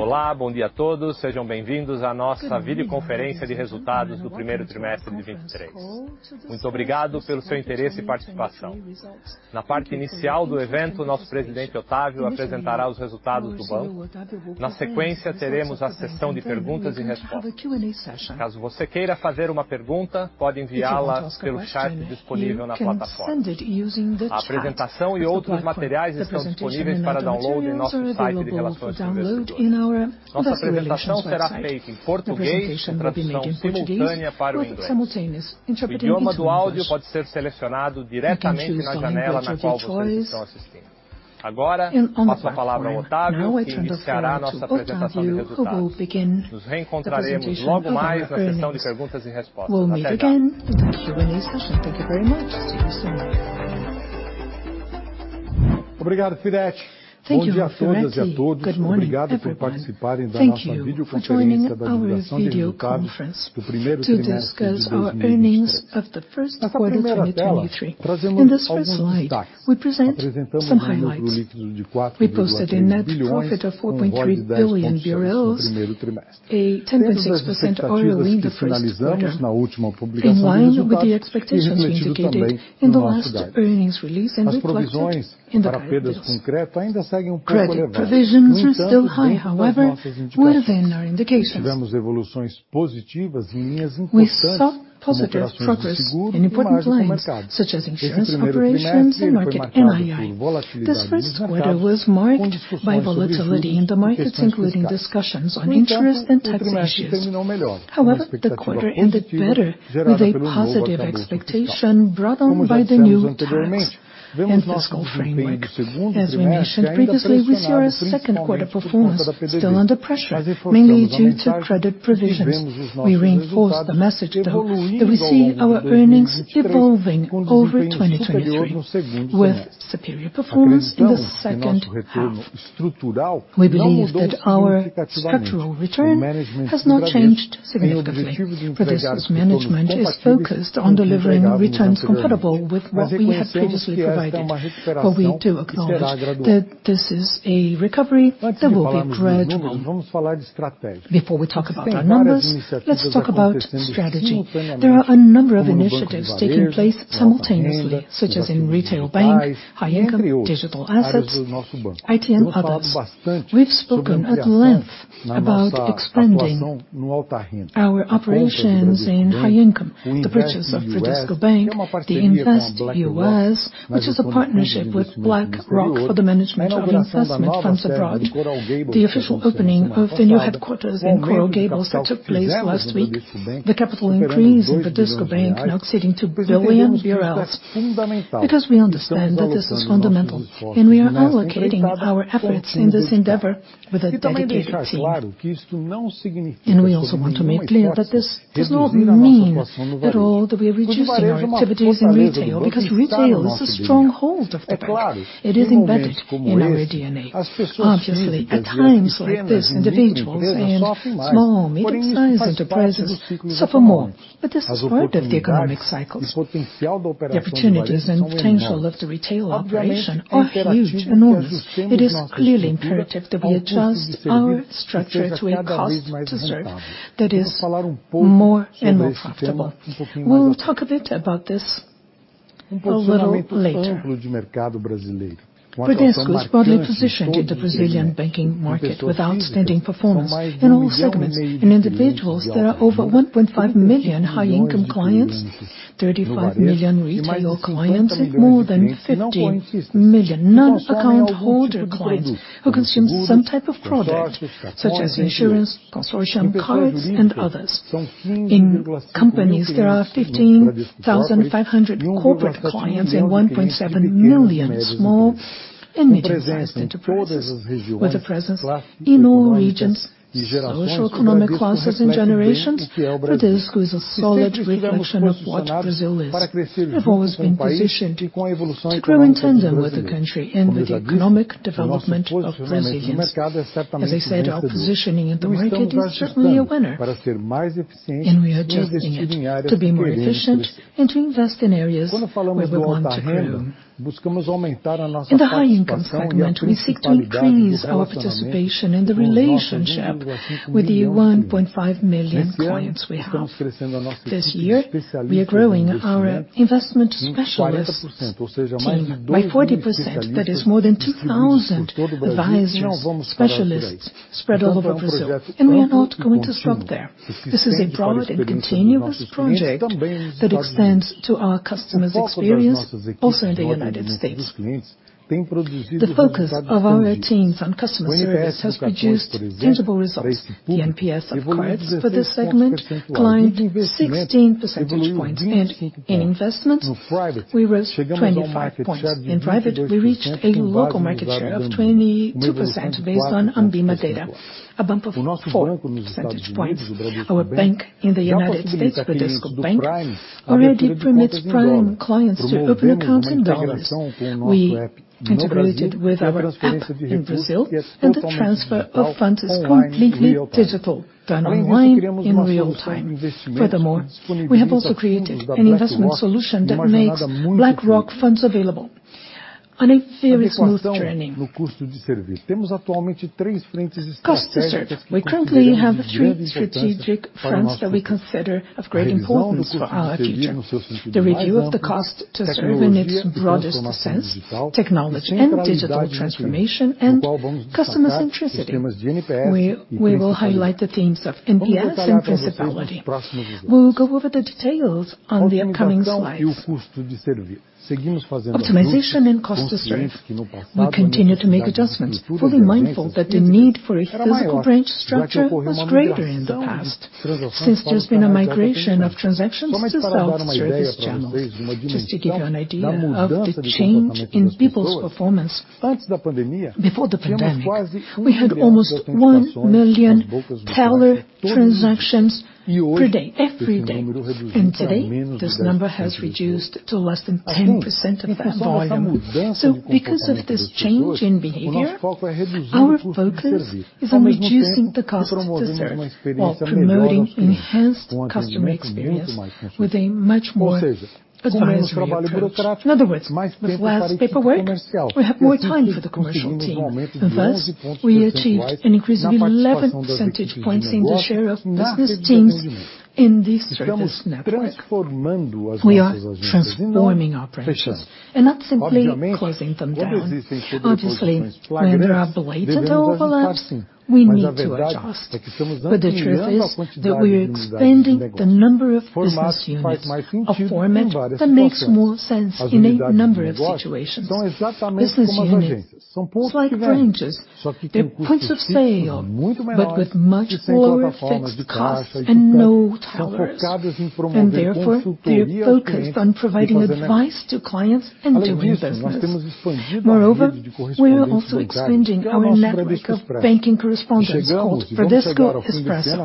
Olá, bom dia a todos. Sejam bem-vindos à nossa videoconference de resultados do primeiro trimestre de 2023. Muito obrigado pelo seu interesse e participação. Na parte inicial do evento, o nosso presidente Otávio apresentará os resultados do banco. Na sequência, teremos a sessão de perguntas e respostas. Caso você queira fazer uma pergunta, pode enviá-la pelo chat disponível na plataforma. A apresentação e outros materiais estão disponíveis para download em nosso site de relações com investidores. Nossa apresentação será feita em português, com tradução simultânea para o inglês. O idioma do áudio pode ser selecionado diretamente na janela na qual vocês estão assistindo. Agora, passo a palavra ao Otávio, que iniciará a nossa apresentação de resultados. Nos reencontraremos logo mais na sessão de perguntas e respostas. Até já. Obrigado, Firetti. Bom dia a todas e a todos. Obrigado por participarem da nossa videoconferência da divulgação de resultados do 1º trimestre de 2023. Nessa 1ª tela, trazemos alguns destaques. Apresentamos um lucro líquido de BRL 4.7 billion, um ROE de 10.6% no 1º trimestre, dentro das expectativas que sinalizamos na última publicação de resultados e refletido também nos nossos dados. As provisões para perdas de concreto ainda seguem um pouco elevadas, dentro das nossas indicações. Tivemos evoluções positivas em linhas importantes, como operações de seguro e margem do mercado. Esse 1º trimestre foi marcado por volatilidade nos mercados, com discussões sobre juros e questões fiscais. O trimestre terminou melhor, com a expectativa positiva gerada pelo novo arcabouço fiscal. Como já dissemos anteriormente, vemos nosso desempenho no Q2 ainda pressionado, principalmente por conta da PDV. Reforçamos a mensagem e vemos os nossos resultados evoluindo ao longo de 2023, com desempenho superior no second half. Acreditamos que nosso retorno estrutural não mudou significativamente. Bradesco's management is focused on delivering returns compatible with what we had previously provided. We do acknowledge that this is a recovery that will be gradual. Before we talk about our numbers, let's talk about strategy. There are a number of initiatives taking place simultaneously, such as in retail bank, high income, digital assets, IT and others. We've spoken at length about expanding our operations in high income, the purchase of BAC Florida Bank, the Bradesco Invest US, which is a partnership with BlackRock for the management of investment funds abroad. The official opening of the new headquarters in Coral Gables that took place last week, the capital increase in the Digio Bank now exceeding BRL 2 billion, because we understand that this is fundamental and we are allocating our efforts in this endeavor with a dedicated team. We also want to make clear that this does not mean at all that we are reducing our activities in retail, because retail is a stronghold of the bank. It is embedded in our D&A. Obviously, at times like this, individuals and small and medium-sized enterprises suffer more, but that's part of the economic cycles. The opportunities and potential of the retail operation are huge, enormous. It is clearly imperative that we adjust our structure to a cost to serve that is more and more profitable. We'll talk a bit about this a little later. Bradesco is broadly positioned in the Brazilian banking market with outstanding performance in all segments. In individuals, there are over 1.5 million high-income clients, 35 million retail clients, and more than 15 million non-account holder clients who consume some type of product, such as insurance, consortium cards, and others. In companies, there are 15,500 corporate clients and 1.7 million small and medium-sized enterprises. With a presence in all regions, socioeconomic classes, and generations, Bradesco is a solid reflection of what Brazil is. We have always been positioned to grow in tandem with the country and with the economic development of Brazilians. As I said, our positioning in the market is certainly a winner, and we are adjusting it to be more efficient and to invest in areas where we want to grow. In the high-income fragment, we seek to increase our participation and the relationship with the 1.5 million clients we have. This year, we are growing our investment specialists team by 40%. That is more than 2,000 advisors, specialists spread all over Brazil, and we are not going to stop there. This is a broad and continuous project that extends to our customers' experience also in the United States. The focus of our teams on customer service has produced tangible results. The NPS of cards for this segment climbed 16 percentage points, and in investment, we rose 25 points. In private, we reached a local market share of 22% based on ANBIMA data, a bump of 4 percentage points. Our bank in the United States, Bradesco Bank, already permits prime clients to open accounts in dollars. We integrated with our app in Brazil, the transfer of funds is completely digital, done online in real time. Furthermore, we have also created an investment solution that makes BlackRock funds available on a very smooth journey. Cost to serve. We currently have three strategic fronts that we consider of great importance for our future. The review of the cost to serve in its broadest sense, technology and digital transformation, and customer centricity. We will highlight the themes of NPS and principality. We'll go over the details on the upcoming slides. Optimization and cost to serve. We continue to make adjustments, fully mindful that the need for a physical branch structure was greater in the past, since there's been a migration of transactions to self-service channels. Just to give you an idea of the change in people's performance, before the pandemic, we had almost 1 million teller transactions per day, every day, and today this number has reduced to less than 10% of that volume. Because of this change in behavior, our focus is on reducing the cost to serve while promoting enhanced customer experience with a much more advisory approach. In other words, with less paperwork, we have more time for the commercial team, and thus we achieved an increase of 11 percentage points in the share of business teams in this service network. We are transforming our branches and not simply closing them down. Obviously, where there are blatant overlaps, we need to adjust. The truth is that we're expanding the number of business units, a format that makes more sense in a number of situations. Business units, just like branches, they're points of sale but with much lower fixed costs and no tellers, and therefore they're focused on providing advice to clients and doing business. Moreover, we're also expanding our network of banking correspondents called Vamos Agora Expressa,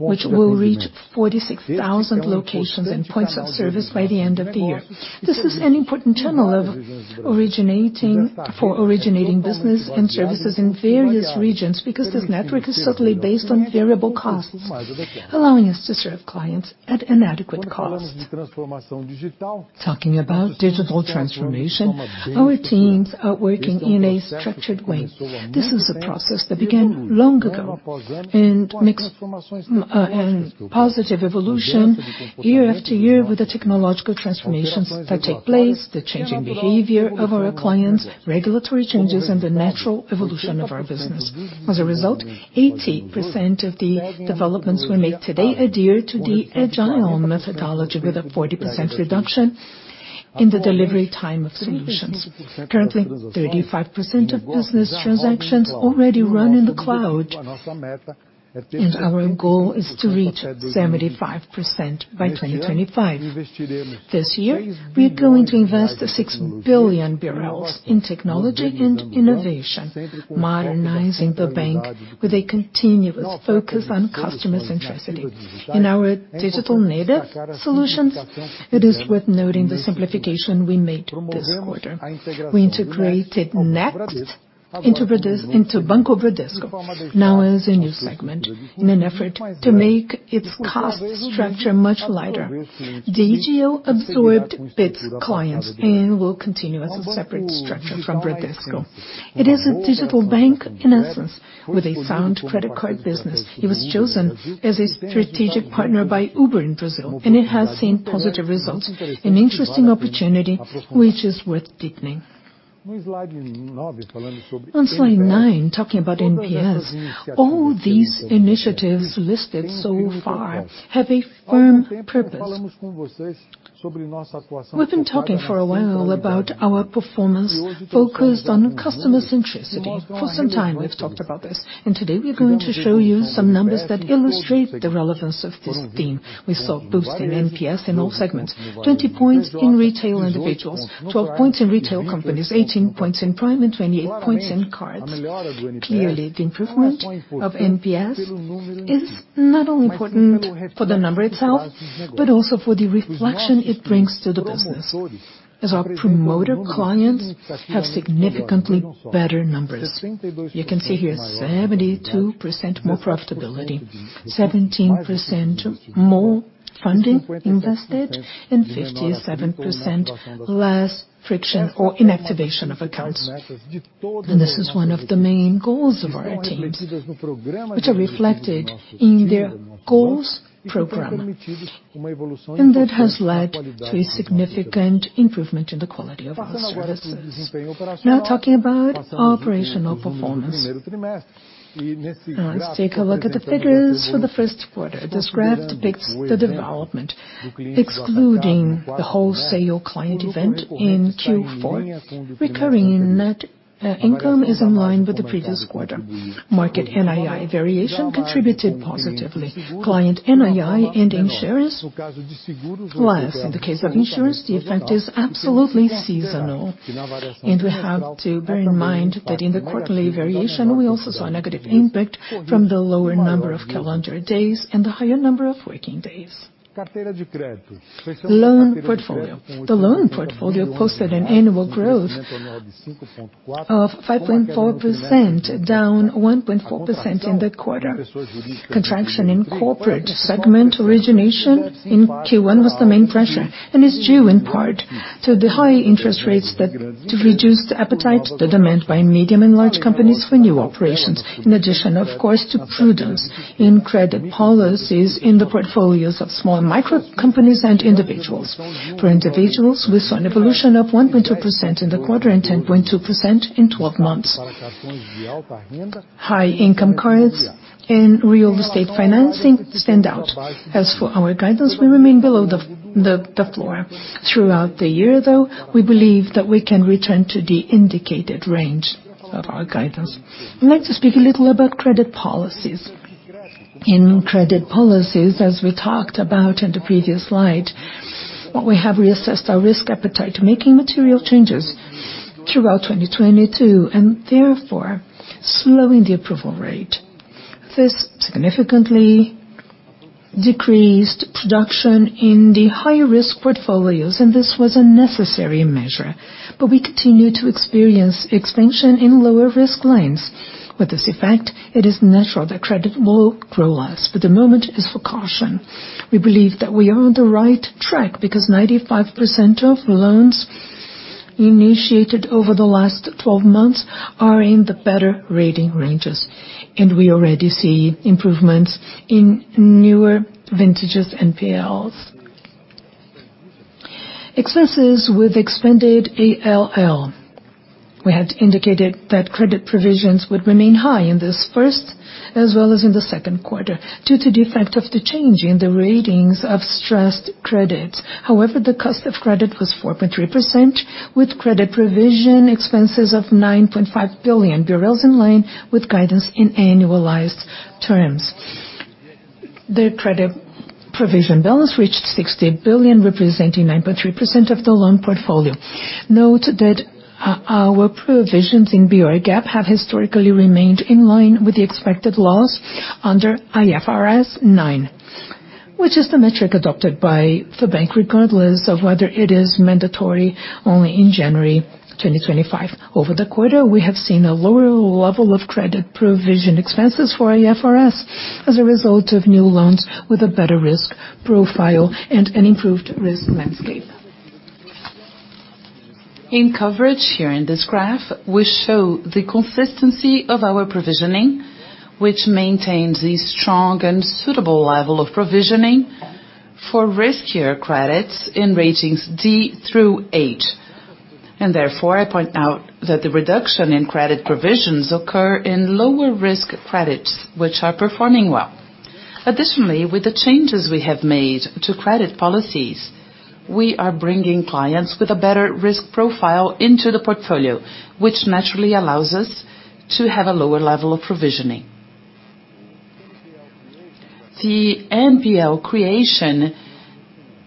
which will reach 46,000 locations and points of service by the end of the year. This is an important channel of originating, for originating business and services in various regions because this network is certainly based on variable costs, allowing us to serve clients at an adequate cost. Talking about digital transformation, our teams are working in a structured way. This is a process that began long ago and makes an positive evolution year after year with the technological transformations that take place, the changing behavior of our clients, regulatory changes, and the natural evolution of our business. As a result, 80% of the developments we make today adhere to the agile methodology with a 40% reduction in the delivery time of solutions. Currently, 35% of business transactions already run in the cloud, and our goal is to reach 75% by 2025. This year we're going to invest 6 billion in technology and innovation, modernizing the bank with a continuous focus on customer centricity. In our digital native solutions, it is worth noting the simplification we made this quarter. We integrated next into Banco Bradesco, now as a new segment. In an effort to make its cost structure much lighter, Digio absorbed its clients and will continue as a separate structure from Bradesco. It is a digital bank in essence with a sound credit card business. It was chosen as a strategic partner by Uber in Brazil, and it has seen positive results, an interesting opportunity which is worth deepening. On slide 9, talking about NPS, all these initiatives listed so far have a firm purpose. We've been talking for a while about our performance focused on customer centricity. For some time we've talked about this, and today we're going to show you some numbers that illustrate the relevance of this theme. We saw a boost in NPS in all segments, 20 points in retail individuals, 12 points in retail companies, 18 points in Prime, and 28 points in cards. Clearly the improvement of NPS is not only important for the number itself, but also for the reflection it brings to the business as our promoter clients have significantly better numbers. You can see here 72% more profitability, 17% more funding invested, and 57% less friction or inactivation of accounts. This is one of the main goals of our teams, which are reflected in their goals program, and that has led to a significant improvement in the quality of our services. Now talking about operational performance. Let's take a look at the figures for the Q1. This graph depicts the development excluding the wholesale client event in Q4. Recurring net income is in line with the previous quarter. Market NII variation contributed positively. Client NII and insurance less. In the case of insurance, the effect is absolutely seasonal, and we have to bear in mind that in the quarterly variation we also saw a negative impact from the lower number of calendar days and the higher number of working days. Loan portfolio. The loan portfolio posted an annual growth of 5.4%, down 1.4% in that quarter. Contraction in corporate segment origination in Q1 was the main pressure, and it's due in part to the high interest rates that reduced appetite, the demand by medium and large companies for new operations, in addition, of course, to prudence in credit policies in the portfolios of small micro companies and individuals. For individuals, we saw an evolution of 1.2% in the quarter and 10.2% in 12 months. High income cards and real estate financing stand out. As for our guidance, we remain below the floor. Throughout the year, though, we believe that we can return to the indicated range of our guidance. I'd like to speak a little about credit policies. In credit policies, as we talked about in the previous slide We have reassessed our risk appetite, making material changes throughout 2022, and therefore slowing the approval rate. This significantly decreased production in the high-risk portfolios, and this was a necessary measure, but we continue to experience expansion in lower risk loans. With this effect, it is natural that credit will grow less, but the moment is for caution. We believe that we are on the right track because 95% of loans initiated over the last 12 months are in the better rating ranges, and we already see improvements in newer vintages NPLs. Expenses with expanded ALL. We had indicated that credit provisions would remain high in this first, as well as in the Q2, due to the effect of the change in the ratings of stressed credits. The cost of credit was 4.3%, with credit provision expenses of 9.5 billion BRL, in line with guidance in annualized terms. The credit provision balance reached 60 billion, representing 9.3% of the loan portfolio. Note that our provisions in BR GAAP have historically remained in line with the expected loss under IFRS 9, which is the metric adopted by the bank, regardless of whether it is mandatory only in January 2025. Over the quarter, we have seen a lower level of credit provision expenses for IFRS as a result of new loans with a better risk profile and an improved risk landscape. Here in this graph, we show the consistency of our provisioning, which maintains the strong and suitable level of provisioning for riskier credits in ratings D through H. Therefore, I point out that the reduction in credit provisions occur in lower risk credits, which are performing well. Additionally, with the changes we have made to credit policies, we are bringing clients with a better risk profile into the portfolio, which naturally allows us to have a lower level of provisioning. The NPL creation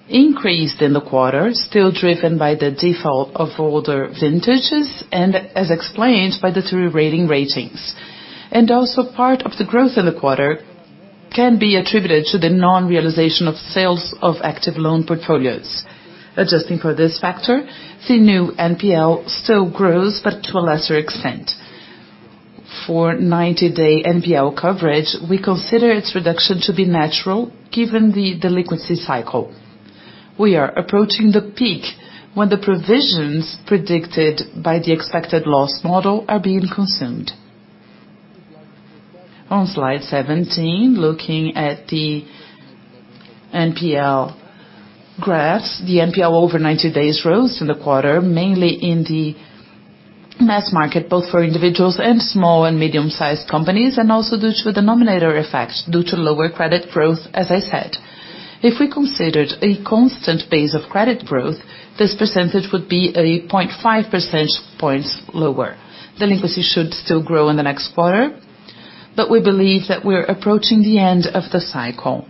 increased in the quarter, still driven by the default of older vintages and as explained by the three ratings. Also part of the growth in the quarter can be attributed to the non-realization of sales of active loan portfolios. Adjusting for this factor, the new NPL still grows, but to a lesser extent. For 90-day NPL coverage, we consider its reduction to be natural given the delinquency cycle. We are approaching the peak when the provisions predicted by the expected loss model are being consumed. On slide 17, looking at the NPL graphs. The NPL over 90 days rose in the quarter, mainly in the mass market, both for individuals and small and medium-sized companies, also due to the nominator effect, due to lower credit growth, as I said. If we considered a constant base of credit growth, this percentage would be a 0.5 percentage points lower. Delinquency should still grow in the next quarter, we believe that we're approaching the end of the cycle.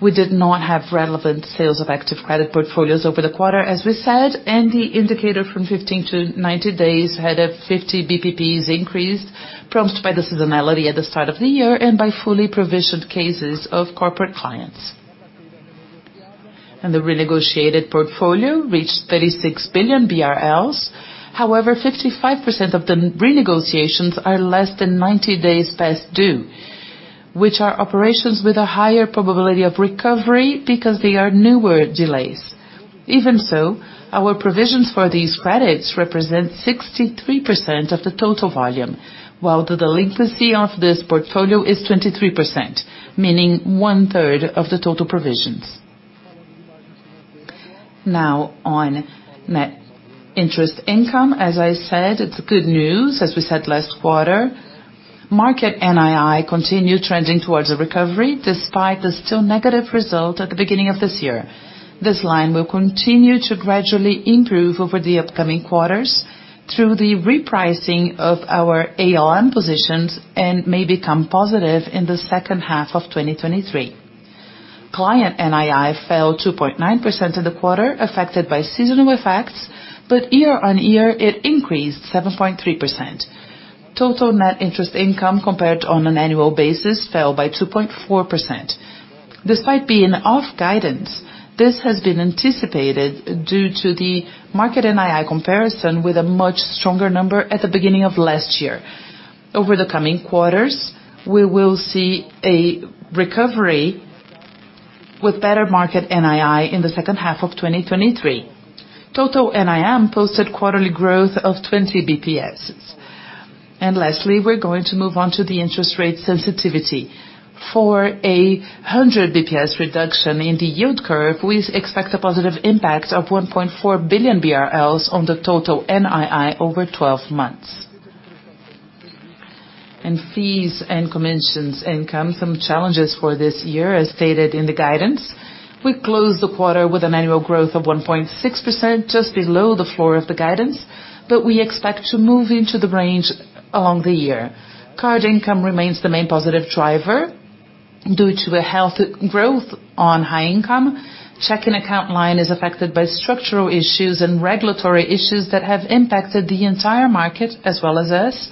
We did not have relevant sales of active credit portfolios over the quarter, as we said, the indicator from 15-90 days had a 50 BPS increase, prompted by the seasonality at the start of the year and by fully provisioned cases of corporate clients. The renegotiated portfolio reached 36 billion BRL. 55% of the renegotiations are less than 90 days past due, which are operations with a higher probability of recovery because they are newer delays. Our provisions for these credits represent 63% of the total volume, while the delinquency of this portfolio is 23%, meaning one-third of the total provisions. On net interest income. As I said, it's good news, as we said last quarter. Market NII continued trending towards a recovery despite the still negative result at the beginning of this year. This line will continue to gradually improve over the upcoming quarters through the repricing of our AON positions and may become positive in the second half of 2023. Client NII fell 2.9% in the quarter, affected by seasonal effects, but year-over-year, it increased 7.3%. Total net interest income, compared on an annual basis, fell by 2.4%. Despite being off guidance, this has been anticipated due to the market NII comparison with a much stronger number at the beginning of last year. Over the coming quarters, we will see a recovery with better market NII in the second half of 2023. Total NIM posted quarterly growth of 20 BPS. Lastly, we're going to move on to the interest rate sensitivity. For a 100 BPS reduction in the yield curve, we expect a positive impact of 1.4 billion BRL on the total NII over 12 months. In fees and commissions income, some challenges for this year, as stated in the guidance. We closed the quarter with an annual growth of 1.6%, just below the floor of the guidance. We expect to move into the range along the year. Card income remains the main positive driver. Due to a healthy growth on high income, checking account line is affected by structural issues and regulatory issues that have impacted the entire market as well as us.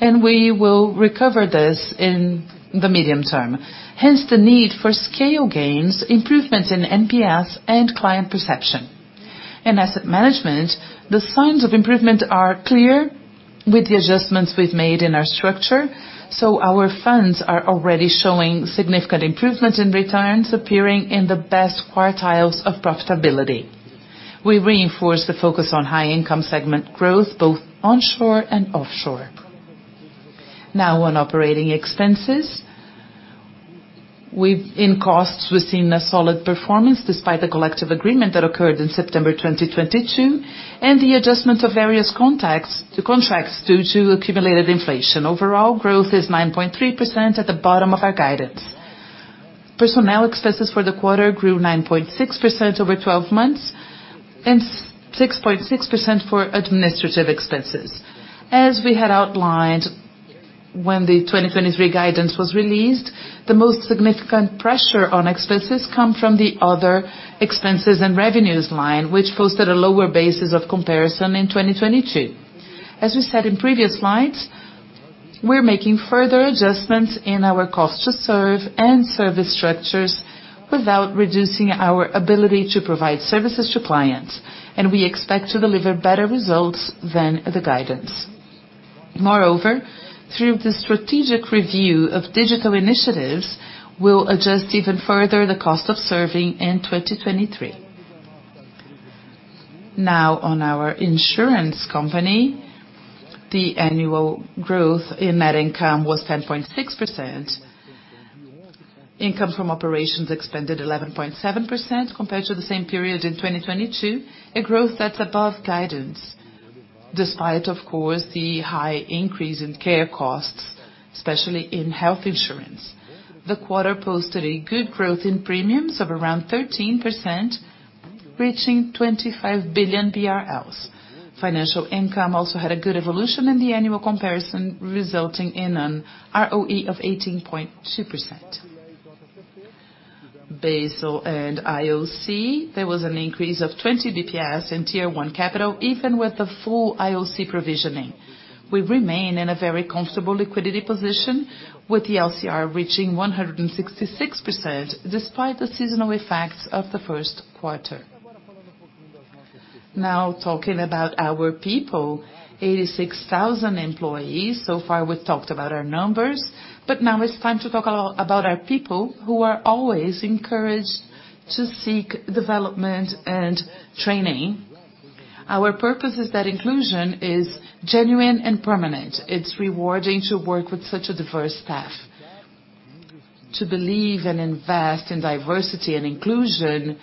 We will recover this in the medium term. Hence, the need for scale gains, improvements in NPS and client perception. In asset management, the signs of improvement are clear with the adjustments we've made in our structure. Our funds are already showing significant improvements in returns, appearing in the best quartiles of profitability. We reinforce the focus on high-income segment growth, both onshore and offshore. Now on operating expenses. In costs, we've seen a solid performance despite the collective agreement that occurred in September 2022, and the adjustment of various contracts due to accumulated inflation. Overall, growth is 9.3% at the bottom of our guidance. Personnel expenses for the quarter grew 9.6% over 12 months, and 6.6% for administrative expenses. As we had outlined when the 2023 guidance was released, the most significant pressure on expenses come from the other expenses and revenues line, which posted a lower basis of comparison in 2022. As we said in previous slides, we're making further adjustments in our cost to serve and service structures without reducing our ability to provide services to clients, and we expect to deliver better results than the guidance. Moreover, through the strategic review of digital initiatives, we'll adjust even further the cost to serve in 2023. Now on our insurance company, the annual growth in net income was 10.6%. Income from operations expanded 11.7% compared to the same period in 2022, a growth that's above guidance, despite, of course, the high increase in care costs, especially in health insurance. The quarter posted a good growth in premiums of around 13%, reaching 25 billion BRL. Financial income also had a good evolution in the annual comparison, resulting in an ROE of 18.2%. Basel and IOC, there was an increase of 20 BPS in Tier 1 capital, even with the full IOC provisioning. We remain in a very comfortable liquidity position with the LCR reaching 166%, despite the seasonal effects of the Q1. Now talking about our people, 86,000 employees. So far, we've talked about our numbers, but now it's time to talk a lot about our people, who are always encouraged to seek development and training. Our purpose is that inclusion is genuine and permanent. It's rewarding to work with such a diverse staff. To believe and invest in diversity and inclusion,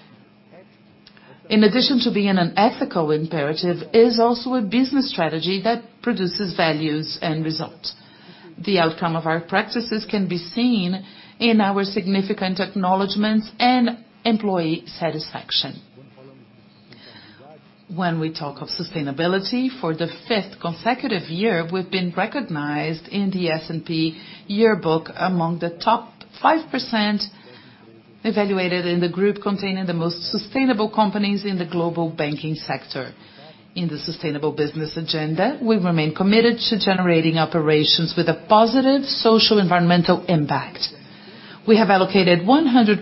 in addition to being an ethical imperative, is also a business strategy that produces values and results. The outcome of our practices can be seen in our significant acknowledgments and employee satisfaction. When we talk of sustainability, for the fifth consecutive year, we've been recognized in the S&P yearbook among the top 5% evaluated in the group containing the most sustainable companies in the global banking sector. In the sustainable business agenda, we remain committed to generating operations with a positive social environmental impact. We have allocated 100%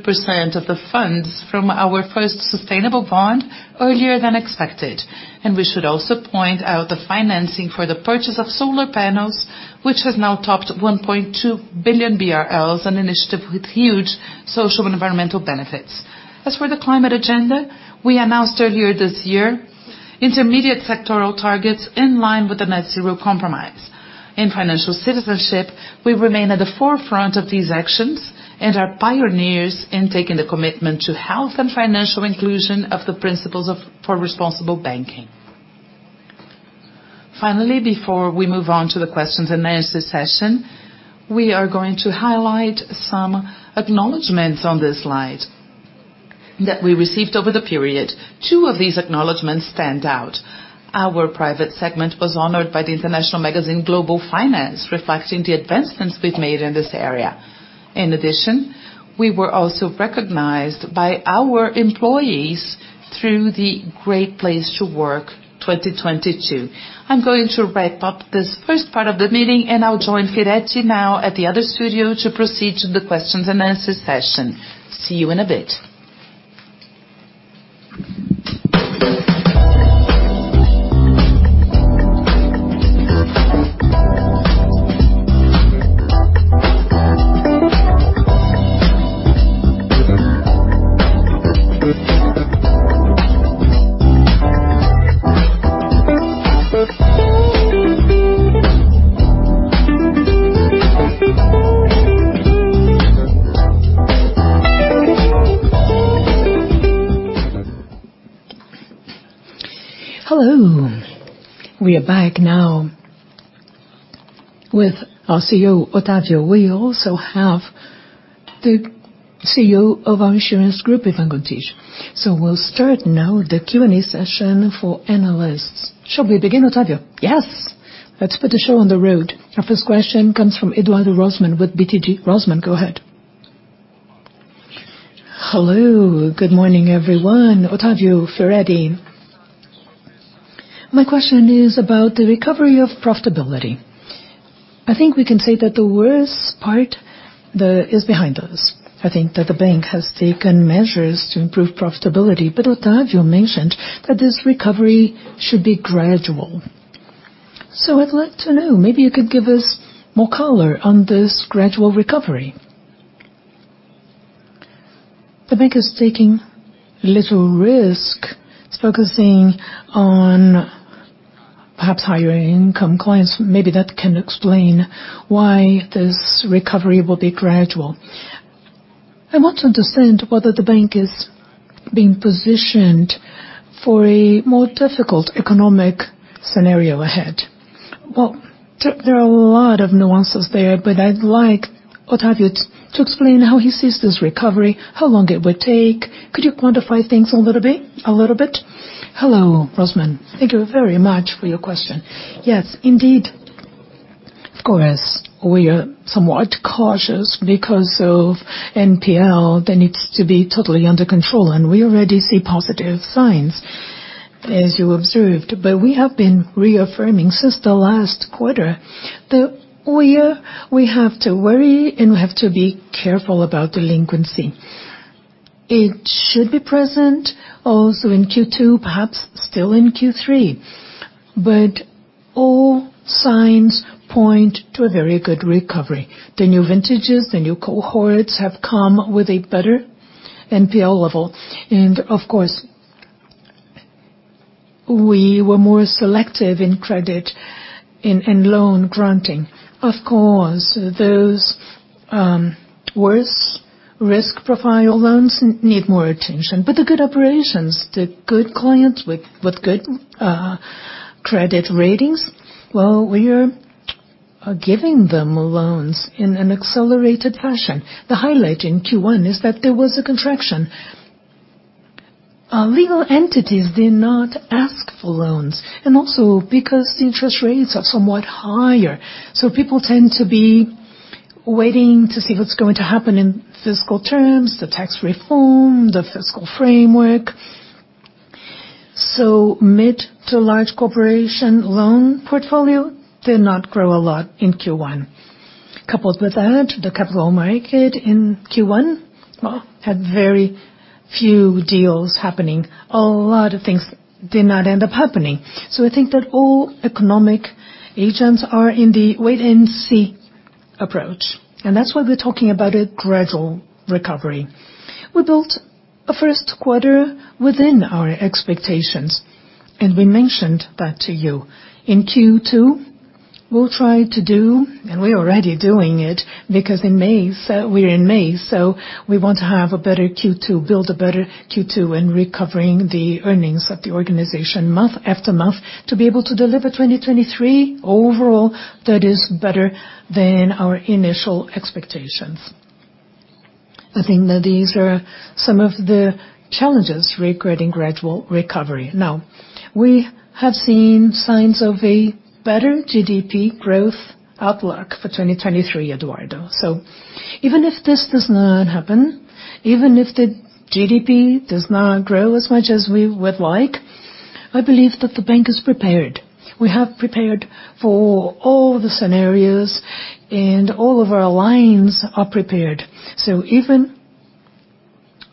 of the funds from our first sustainable bond earlier than expected, and we should also point out the financing for the purchase of solar panels, which has now topped 1.2 billion BRL, an initiative with huge social and environmental benefits. As for the climate agenda, we announced earlier this year intermediate sectoral targets in line with the net zero compromise. In financial citizenship, we remain at the forefront of these actions and are pioneers in taking the commitment to health and financial inclusion of the principles for responsible banking. Finally, before we move on to the questions and answer session, we are going to highlight some acknowledgments on this slide that we received over the period. Two of these acknowledgments stand out. Our private segment was honored by the international magazine Global Finance, reflecting the advancements we've made in this area. In addition, we were also recognized by our employees through the Great Place to Work 2022. I'm going to wrap up this first part of the meeting, and I'll join Firetti now at the other studio to proceed to the questions and answer session. See you in a bit. Hello. We are back now with our CEO, Otávio. We also have the CEO of our insurance group, Ivan Gontijo. We'll start now the Q&A session for analysts. Shall we begin, Otávio? Yes. Let's put the show on the road. Our first question comes from Eduardo Rosman with BTG Pactual. Rosman, go ahead. Hello. Good morning, everyone. Otávio, Firetti, Lazari. My question is about the recovery of profitability. I think we can say that the worst part is behind us. I think that the bank has taken measures to improve profitability, but Otávio mentioned that this recovery should be gradual. I'd like to know, maybe you could give us more color on this gradual recovery. The bank is taking little risk, it's focusing on perhaps higher income clients, maybe that can explain why this recovery will be gradual. I want to understand whether the bank is being positioned for a more difficult economic scenario ahead. Well, there are a lot of nuances there, but I'd like Otávio to explain how he sees this recovery, how long it would take. Could you quantify things a little bit? Hello, Rosman. Thank you very much for your question. Yes, indeed, of course, we are somewhat cautious because of NPL that needs to be totally under control, and we already see positive signs, as you observed. We have been reaffirming since the last quarter that we have to worry, and we have to be careful about delinquency. It should be present also in Q2, perhaps still in Q3, but all signs point to a very good recovery. The new vintages, the new cohorts have come with a better NPL level. Of course, we were more selective in credit in loan granting. Of course, those worse risk profile loans need more attention. The good operations, the good clients with good credit ratings, well, we are giving them loans in an accelerated fashion. The highlight in Q1 is that there was a contraction. Legal entities did not ask for loans, and also because the interest rates are somewhat higher, people tend to be waiting to see what's going to happen in fiscal terms, the tax reform, the fiscal framework. Mid to large corporation loan portfolio did not grow a lot in Q1. Coupled with that, the capital market in Q1, well, had very few deals happening. A lot of things did not end up happening. I think that all economic agents are in the wait-and-see approach, and that's why we're talking about a gradual recovery. We built a Q1 within our expectations, and we mentioned that to you. In Q2, we'll try to do, and we're already doing it, because we're in May, we want to have a better Q2, build a better Q2, and recovering the earnings of the organization month after month to be able to deliver 2023 overall that is better than our initial expectations. I think that these are some of the challenges regarding gradual recovery. We have seen signs of a better GDP growth outlook for 2023, Eduardo. Even if this does not happen, even if the GDP does not grow as much as we would like, I believe that the bank is prepared. We have prepared for all the scenarios, and all of our lines are prepared. Even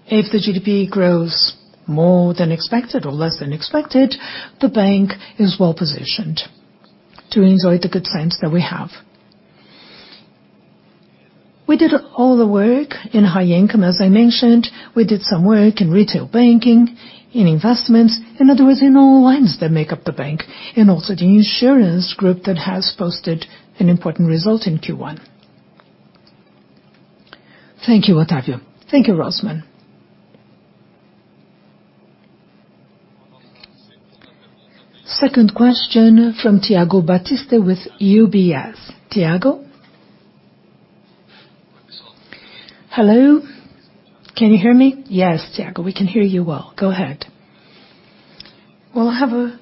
if the GDP grows more than expected or less than expected, the bank is well-positioned to enjoy the good times that we have. We did all the work in high income, as I mentioned. We did some work in retail banking, in investments, in other words, in all lines that make up the bank, and also the insurance group that has posted an important result in Q1. Thank you, Otávio. Thank you, Rosman. Second question from Thiago Batista with UBS. Thiago? Hello, can you hear me? Yes, Thiago, we can hear you well. Go ahead. I have a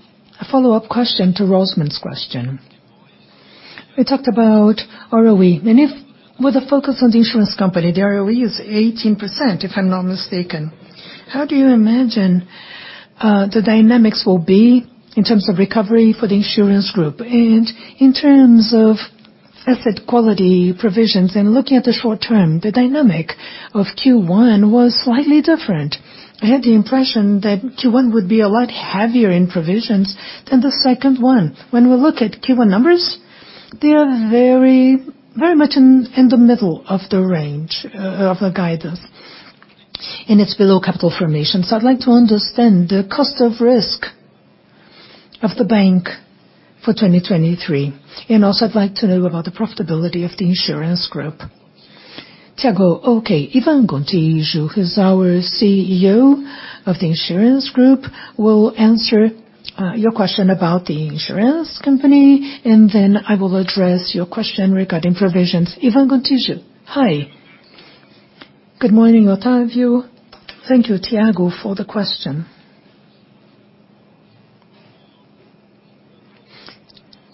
follow-up question to Rosman's question. We talked about ROE, and with the focus on the insurance company, the ROE is 18%, if I'm not mistaken. How do you imagine the dynamics will be in terms of recovery for the insurance group? In terms of asset quality provisions and looking at the short term, the dynamic of Q1 was slightly different. I had the impression that Q1 would be a lot heavier in provisions than the second one. When we look at Q1 numbers, they are very much in the middle of the range of the guidance, and it's below capital formation. I'd like to understand the cost of risk of the bank for 2023. Also, I'd like to know about the profitability of the insurance group. Thiago, okay. Ivan Gontijo, who's our CEO of the insurance group, will answer your question about the insurance company, and then I will address your question regarding provisions. Ivan Gontijo. Hi. Good morning, Otávio. Thank you, Thiago, for the question.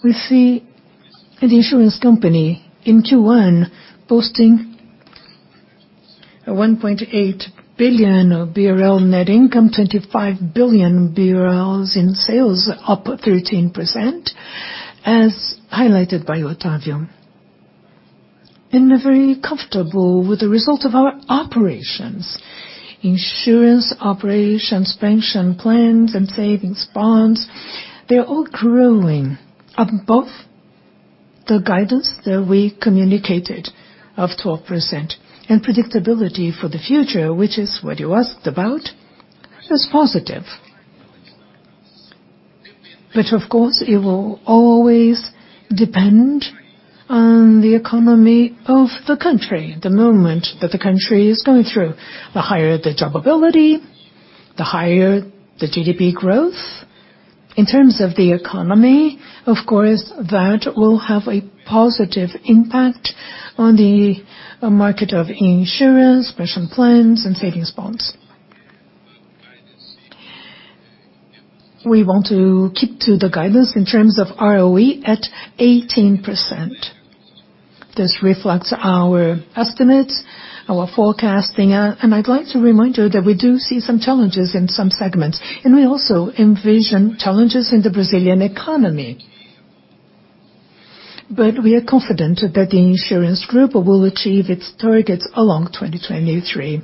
We see an insurance company in Q1 posting a 1.8 billion BRL net income, 25 billion BRL in sales, up 13%, as highlighted by Otávio. We're very comfortable with the result of our operations. Insurance operations, pension plans, and savings bonds, they're all growing above the guidance that we communicated of 12%. Predictability for the future, which is what you asked about, is positive. Of course, it will always depend on the economy of the country, the moment that the country is going through. The higher the job ability, the higher the GDP growth. In terms of the economy, of course, that will have a positive impact on the market of insurance, pension plans, and savings bonds. We want to keep to the guidance in terms of ROE at 18%. This reflects our estimates, our forecasting. I'd like to remind you that we do see some challenges in some segments, and we also envision challenges in the Brazilian economy. We are confident that the insurance group will achieve its targets along 2023,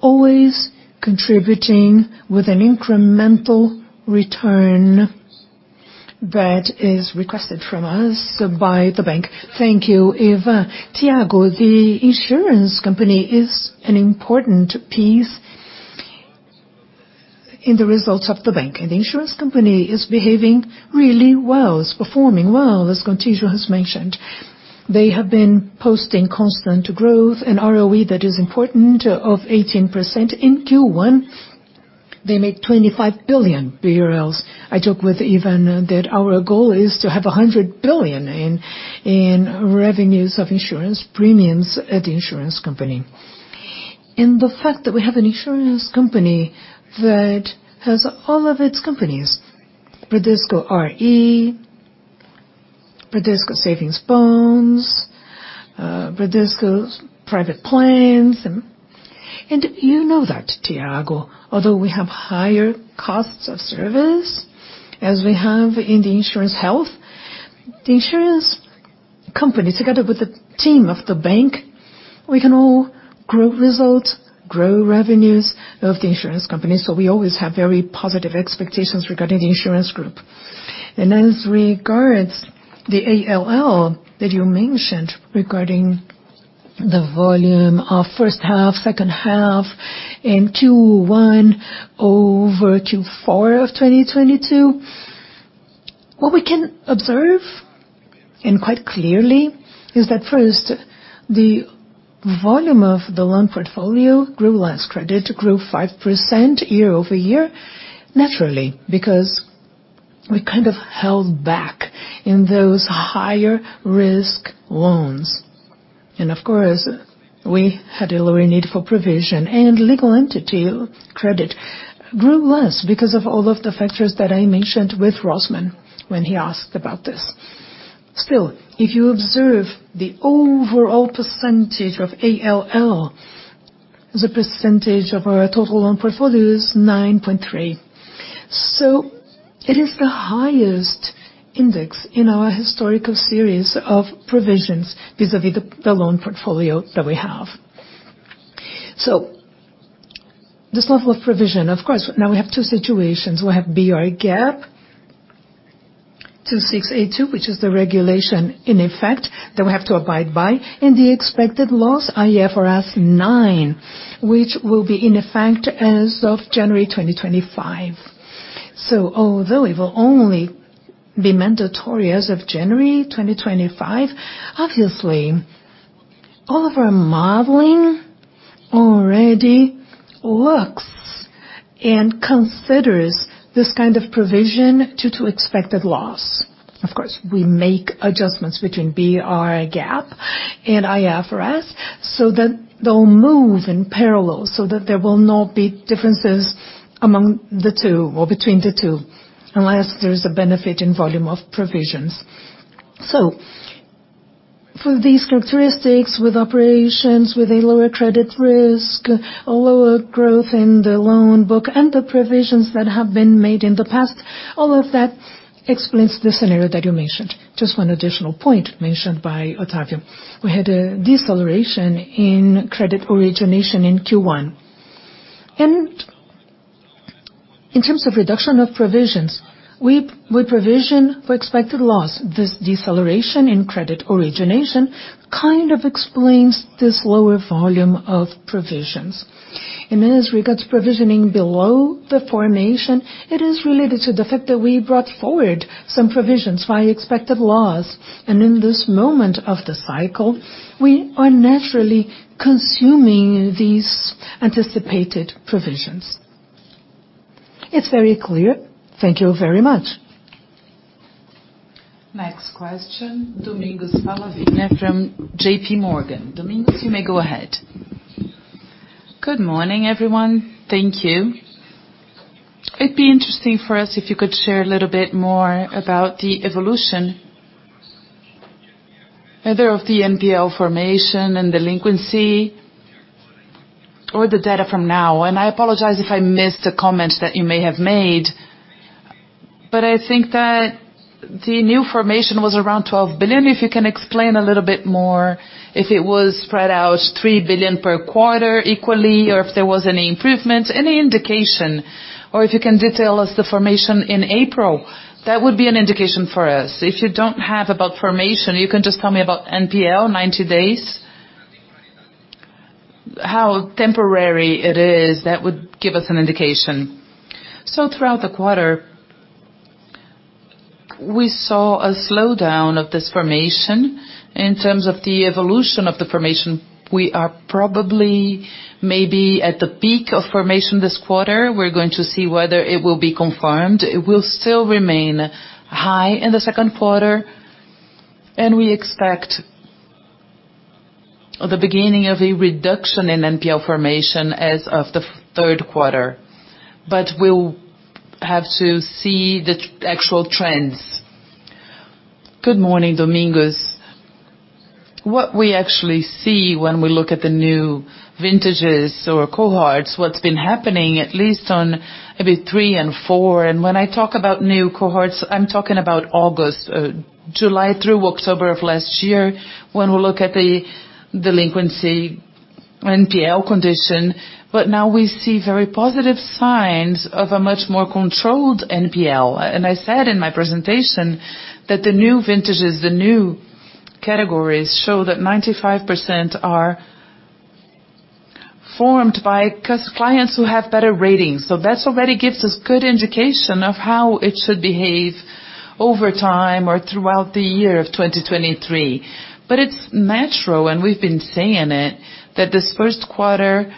always contributing with an incremental return that is requested from us by the bank. Thank you, Ivan. Thiago, the insurance company is an important piece in the results of the bank. The insurance company is behaving really well. It's performing well, as Gontijo has mentioned. They have been posting constant growth and ROE that is important of 18%. In Q1, they made 25 billion BRL. I talked with Ivan that our goal is to have 100 billion in revenues of insurance premiums at the insurance company. The fact that we have an insurance company that has all of its companies, Bradesco RE, Bradesco Savings Bonds, Bradesco's private plans and you know that, Thiago, although we have higher costs of service, as we have in the insurance health, the insurance company, together with the team of the bank, we can all grow results, grow revenues of the insurance company. We always have very positive expectations regarding the insurance group. As regards the ALL that you mentioned regarding the volume of first half, second half, and Q1 over Q4 of 2022, what we can observe, and quite clearly, is that first, the volume of the loan portfolio grew less. Credit grew 5% year-over-year, naturally, because we kind of held back in those higher risk loans. Of course, we had a lower need for provision. Legal entity credit grew less because of all of the factors that I mentioned with Rosman when he asked about this. Still, if you observe the overall percentage of ALL, the percentage of our total loan portfolio is 9.3%. So it is the highest index in our historical series of provisions vis-à-vis the loan portfolio that we have. So this level of provision, of course, now we have two situations. We have BR GAAP 2682, which is the regulation in effect that we have to abide by, and the expected loss, IFRS 9, which will be in effect as of January 2025. So although it will only be mandatory as of January 2025, obviously, all of our modeling already looks and considers this kind of provision due to expected loss. Of course, we make adjustments between BR GAAP and IFRS so that they'll move in parallel so that there will not be differences among the two or between the two, unless there is a benefit in volume of provisions. For these characteristics, with operations, with a lower credit risk, a lower growth in the loan book, and the provisions that have been made in the past, all of that explains the scenario that you mentioned. Just one additional point mentioned by Otávio. We had a deceleration in credit origination in Q1. In terms of reduction of provisions, we provision for expected loss. This deceleration in credit origination kind of explains this lower volume of provisions. As regards to provisioning below the formation, it is related to the fact that we brought forward some provisions via expected loss. In this moment of the cycle, we are naturally consuming these anticipated provisions. It's very clear. Thank you very much. Next question, Domingos Falavina from J.P. Morgan. Domingos, you may go ahead. Good morning, everyone. Thank you. It'd be interesting for us if you could share a little bit more about the evolution, either of the NPL formation and delinquency or the data from now. I apologize if I missed the comments that you may have made, but I think that the new formation was around 12 billion. If you can explain a little bit more, if it was spread out 3 billion per quarter equally, or if there was any improvement, any indication, or if you can detail us the formation in April, that would be an indication for us. If you don't have about formation, you can just tell me about NPL 90 days, how temporary it is, that would give us an indication. Throughout the quarter, we saw a slowdown of this formation. In terms of the evolution of the formation, we are probably maybe at the peak of formation this quarter. We're going to see whether it will be confirmed. It will still remain high in the Q2, and we expect the beginning of a reduction in NPL formation as of the Q3. We'll have to see the actual trends. Good morning, Domingos. What we actually see when we look at the new vintages or cohorts, what's been happening at least on maybe three and four. When I talk about new cohorts, I'm talking about August, July through October of last year, when we look at the delinquency NPL condition. Now we see very positive signs of a much more controlled NPL. I said in my presentation that the new vintages, the new categories show that 95% are formed by clients who have better ratings. That already gives us good indication of how it should behave over time or throughout the year of 2023. It's natural, and we've been saying it, that this Q1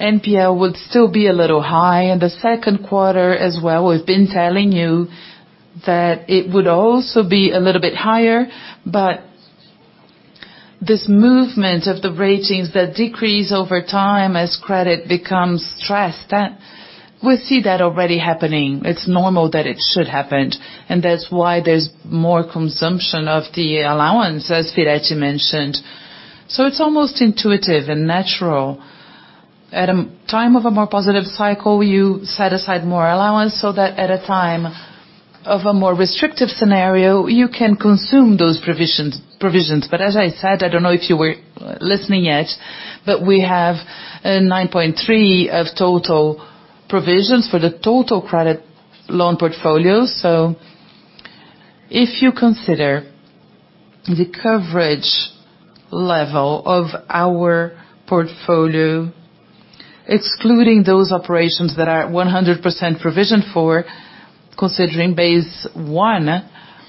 NPL would still be a little high, and the Q2 as well. We've been telling you that it would also be a little bit higher. This movement of the ratings that decrease over time as credit becomes stressed, that we see that already happening. It's normal that it should happen, and that's why there's more consumption of the allowance, as Firetti mentioned. It's almost intuitive and natural. At a time of a more positive cycle, you set aside more allowance, so that at a time of a more restrictive scenario, you can consume those provisions. As I said, I don't know if you were listening yet, but we have a 9.3 of total provisions for the total credit loan portfolio. If you consider the coverage level of our portfolio, excluding those operations that are 100% provisioned for considering Basel One,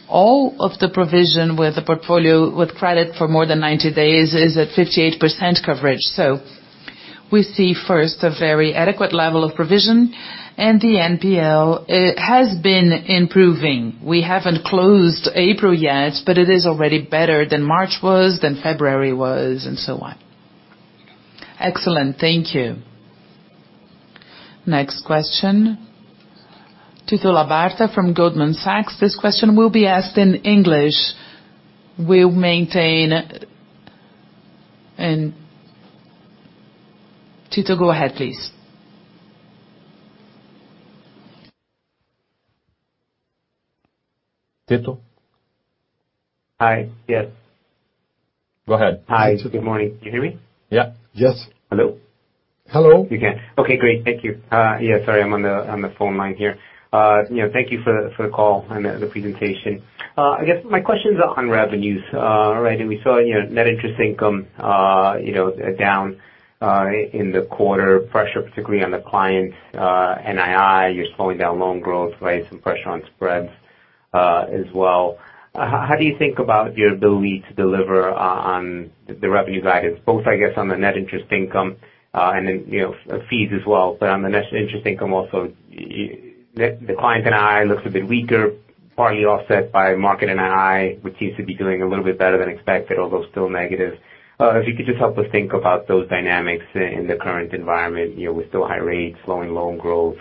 all of the provision with the portfolio with credit for more than 90 days is at 58% coverage. We see first a very adequate level of provision, and the NPL has been improving. We haven't closed April yet, but it is already better than March was, than February was, and so on. Excellent. Thank you. Next question, Tito Labarta from Goldman Sachs. This question will be asked in English. We'll maintain. Tito, go ahead, please. Tito? Hi. Yes. Go ahead. Hi. Good morning. Can you hear me? Yeah. Yes. Hello. Hello. You can. Okay, great. Thank you. Yeah, sorry, I'm on the phone line here. You know, thank you for the call and the presentation. I guess my question's on revenues. Already we saw, you know, net interest income, you know, down in the quarter, pressure particularly on the client NII. You're slowing down loan growth, right? Some pressure on spreads as well. How do you think about your ability to deliver on the revenues items, both, I guess, on the net interest income, and then, you know, fees as well? On the net interest income also, the client NII looks a bit weaker, partly offset by market NII, which seems to be doing a little bit better than expected, although still negative. If you could just help us think about those dynamics in the current environment, you know, with still high rates, slowing loan growth,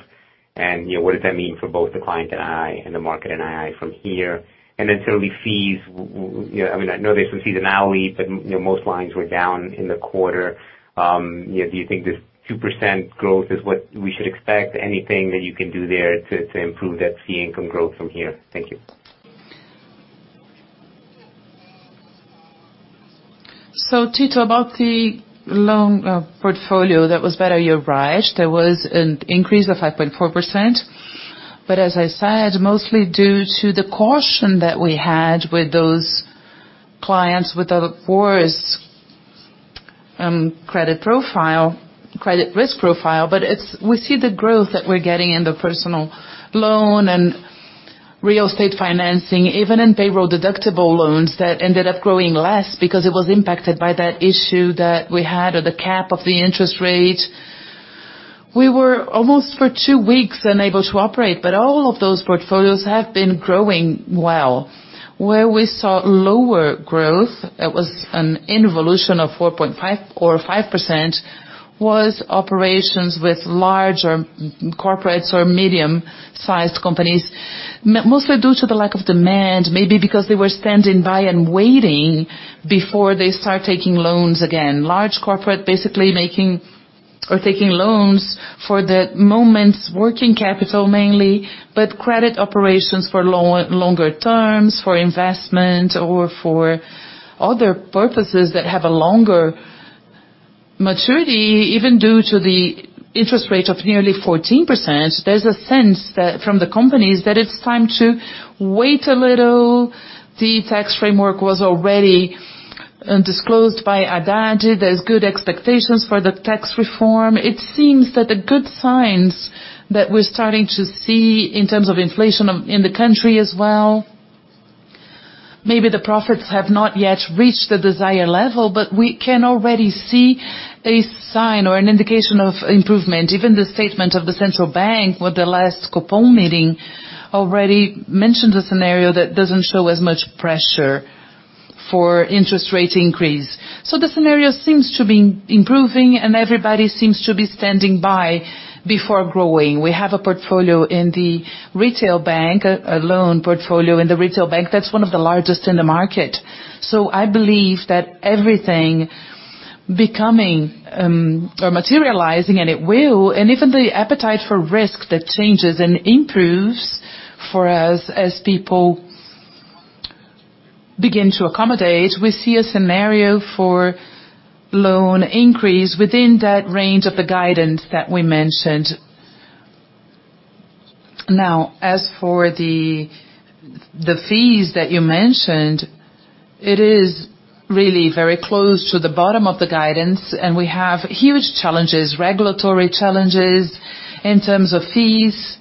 and, you know, what does that mean for both the client NII and the market NII from here? Certainly fees, you know, I mean, I know there's some seasonality, but, you know, most lines were down in the quarter. You know, do you think this 2% growth is what we should expect? Anything that you can do there to improve that fee income growth from here? Thank you. Tito, about the loan portfolio, that was better, you're right. There was an increase of 5.4%. But as I said, mostly due to the caution that we had with those clients with a worse credit profile, credit risk profile. But we see the growth that we're getting in the personal loan and real estate financing, even in payroll deductible loans that ended up growing less because it was impacted by that issue that we had or the cap of the interest rate. We were almost for two weeks unable to operate, but all of those portfolios have been growing well. Where we saw lower growth, it was an involution of 4.5% or 5%, was operations with large corporates or medium-sized companies, mostly due to the lack of demand, maybe because they were standing by and waiting before they start taking loans again. Large corporate basically making or taking loans for the moment's working capital mainly, but credit operations for longer terms, for investment or for other purposes that have a longer maturity, even due to the interest rate of nearly 14%, there's a sense that from the companies that it's time to wait a little. The tax framework was already disclosed by Haddad. There's good expectations for the tax reform. It seems that the good signs that we're starting to see in terms of inflation, in the country as well, maybe the profits have not yet reached the desired level, but we can already see a sign or an indication of improvement. Even the statement of the central bank with the last COPOM meeting already mentions a scenario that doesn't show as much pressure for interest rate increase. The scenario seems to be improving, and everybody seems to be standing by before growing. We have a portfolio in the retail bank, a loan portfolio in the retail bank. That's one of the largest in the market. I believe that everything becoming or materializing, and it will, and even the appetite for risk that changes and improves for us as people begin to accommodate, we see a scenario for loan increase within that range of the guidance that we mentioned. As for the fees that you mentioned, it is really very close to the bottom of the guidance, and we have huge challenges, regulatory challenges in terms of fees,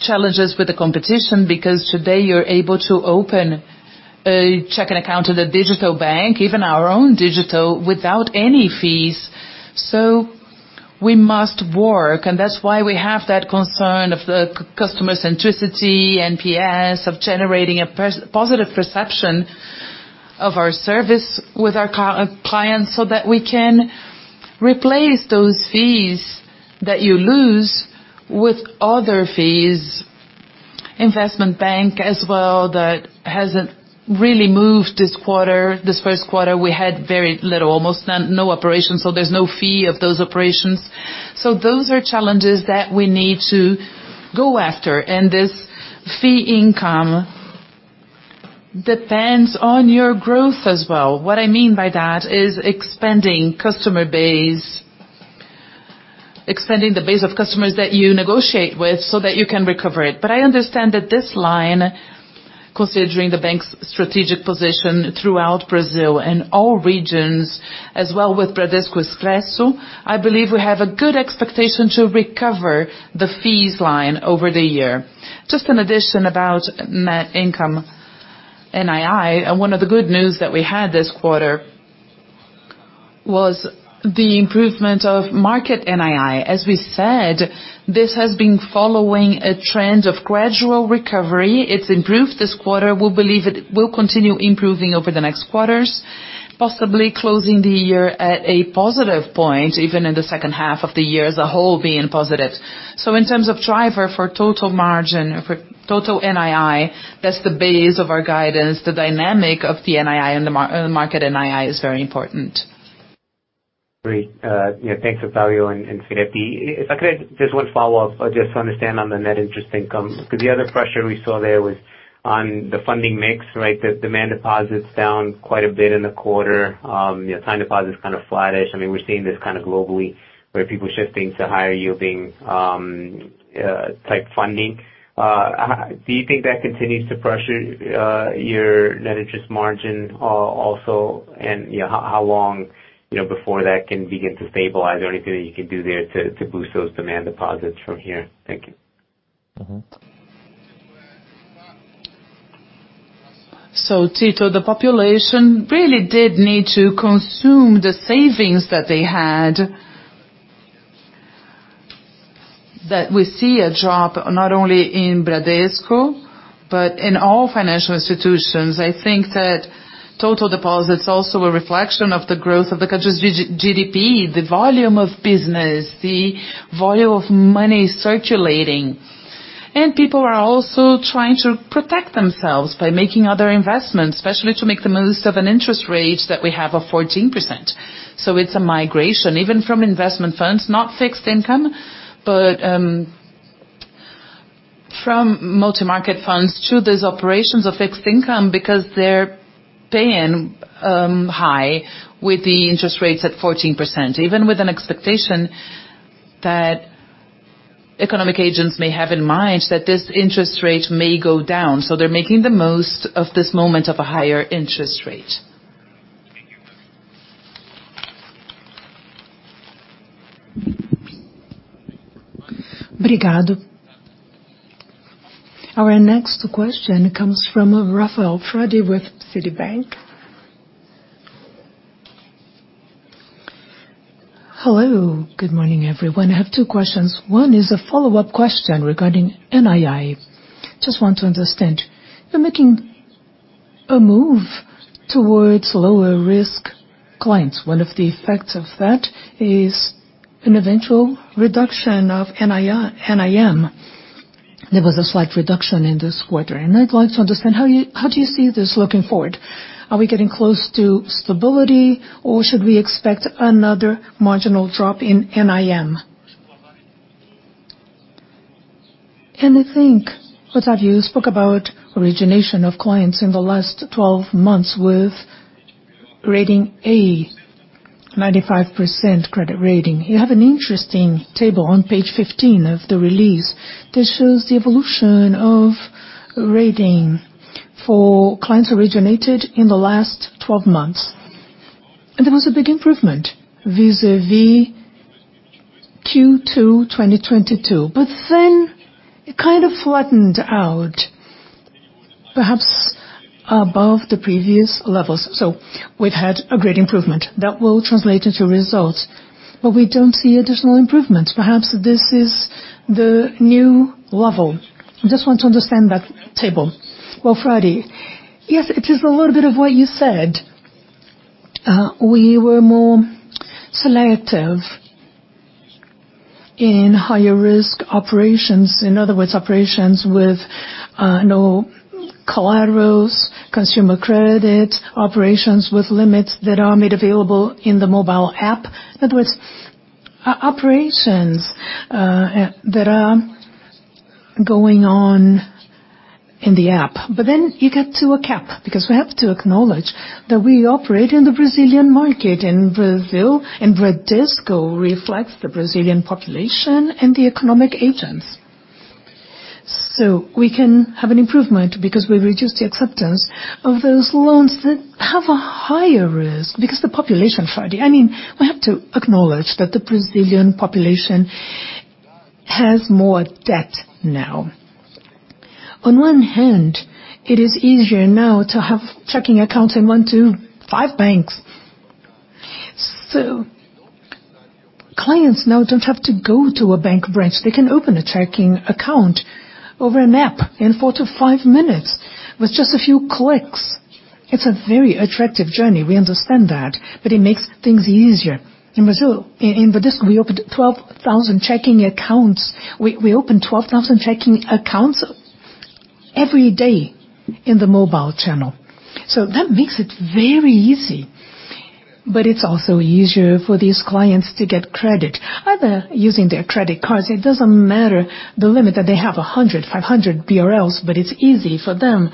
challenges with the competition, because today you're able to open a checking account to the digital bank, even our own digital, without any fees. We must work, and that's why we have that concern of the customer centricity, NPS, of generating a positive perception of our service with our clients, so that we can replace those fees that you lose with other fees. Investment bank as well, that hasn't really moved this quarter. This Q1, we had very little, almost no operations, so there's no fee of those operations. Those are challenges that we need to go after. This fee income depends on your growth as well. What I mean by that is expanding customer base, expanding the base of customers that you negotiate with so that you can recover it. I understand that this line, considering the bank's strategic position throughout Brazil and all regions, as well with Bradesco Expresso, I believe we have a good expectation to recover the fees line over the year. Just an addition about net income, NII, and one of the good news that we had this quarter was the improvement of market NII. As we said, this has been following a trend of gradual recovery. It's improved this quarter. We believe it will continue improving over the next quarters, possibly closing the year at a positive point, even in the second half of the year as a whole being positive. In terms of driver for total margin, for total NII, that's the base of our guidance. The dynamic of the NII and the market NII is very important. Great. Yeah, thanks, Otávio and Felipe. If I could, just one follow-up, just to understand on the net interest income, 'cause the other pressure we saw there was on the funding mix, right? The demand deposit's down quite a bit in the quarter. You know, time deposit's kinda flattish. I mean, we're seeing this kinda globally, where people shifting to higher-yielding type funding. Do you think that continues to pressure your net interest margin also? You know, how long, you know, before that can begin to stabilize? Is there anything that you can do there to boost those demand deposits from here? Thank you. Tito, the population really did need to consume the savings that they had, that we see a drop not only in Bradesco, but in all financial institutions. I think that total deposit's also a reflection of the growth of the country's GDP, the volume of business, the volume of money circulating. People are also trying to protect themselves by making other investments, especially to make the most of an interest rate that we have of 14%. It's a migration, even from investment funds, not fixed income, but from multi-market funds to these operations of fixed income because they're paying high with the interest rates at 14%, even with an expectation that economic agents may have in mind that this interest rate may go down. They're making the most of this moment of a higher interest rate. Obrigado. Our next question comes from Rafael Frade with Citi. Hello. Good morning, everyone. I have two questions. One is a follow-up question regarding NII. Just want to understand, you're making a move towards lower risk clients. One of the effects of that is an eventual reduction of NIM. There was a slight reduction in this quarter. I'd like to understand how do you see this looking forward? Are we getting close to stability or should we expect another marginal drop in NIM? You spoke about origination of clients in the last 12 months with rating A, 95% credit rating. You have an interesting table on page 15 of the release that shows the evolution of rating for clients originated in the last 12 months. There was a big improvement vis-à-vis Q2 2022. Then it kind of flattened out, perhaps above the previous levels. We've had a great improvement. That will translate into results, but we don't see additional improvements. Perhaps this is the new level. Just want to understand that table. Well, Frade, yes, it is a little bit of what you said. We were more selective in higher risk operations. In other words, operations with no collaterals, consumer credit, operations with limits that are made available in the mobile app. In other words, operations that are going on in the app. Then you get to a cap, because we have to acknowledge that we operate in the Brazilian market, in Brazil. Bradesco reflects the Brazilian population and the economic agents. We can have an improvement because we reduce the acceptance of those loans that have a higher risk because the population, Frade. I mean, we have to acknowledge that the Brazilian population has more debt now. On one hand, it is easier now to have checking accounts in one to five banks. Clients now don't have to go to a bank branch. They can open a checking account over an app in four to five minutes with just a few clicks. It's a very attractive journey, we understand that, but it makes things easier. In Bradesco, we opened 12,000 checking accounts. We opened 12,000 checking accounts every day in the mobile channel. That makes it very easy. But it's also easier for these clients to get credit, either using their credit cards. It doesn't matter the limit that they have, 100, 500 BRL, but it's easy for them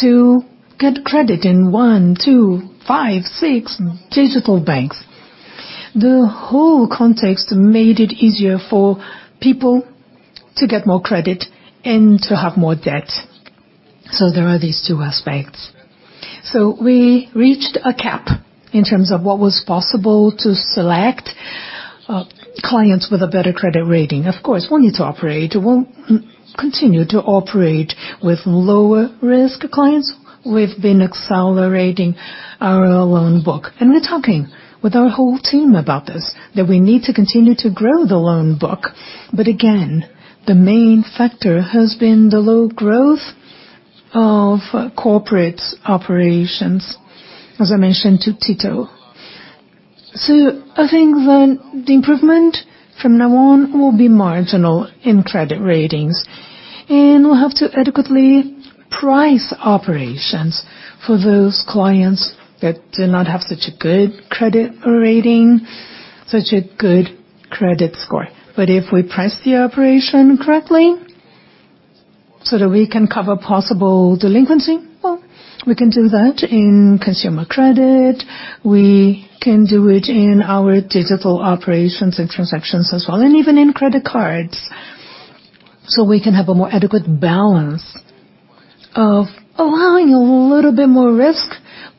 to get credit in one, two, five, six digital banks. The whole context made it easier for people to get more credit and to have more debt. There are these two aspects. We reached a cap in terms of what was possible to select clients with a better credit rating. Of course, we need to operate. We'll continue to operate with lower risk clients. We've been accelerating our loan book, and we're talking with our whole team about this, that we need to continue to grow the loan book. Again, the main factor has been the low growth of corporate operations, as I mentioned to Tito. I think that the improvement from now on will be marginal in credit ratings, and we'll have to adequately price operations for those clients that do not have such a good credit rating, such a good credit score. If we price the operation correctly so that we can cover possible delinquency, well, we can do that in consumer credit. We can do it in our digital operations and transactions as well, and even in credit cards. We can have a more adequate balance of allowing a little bit more risk,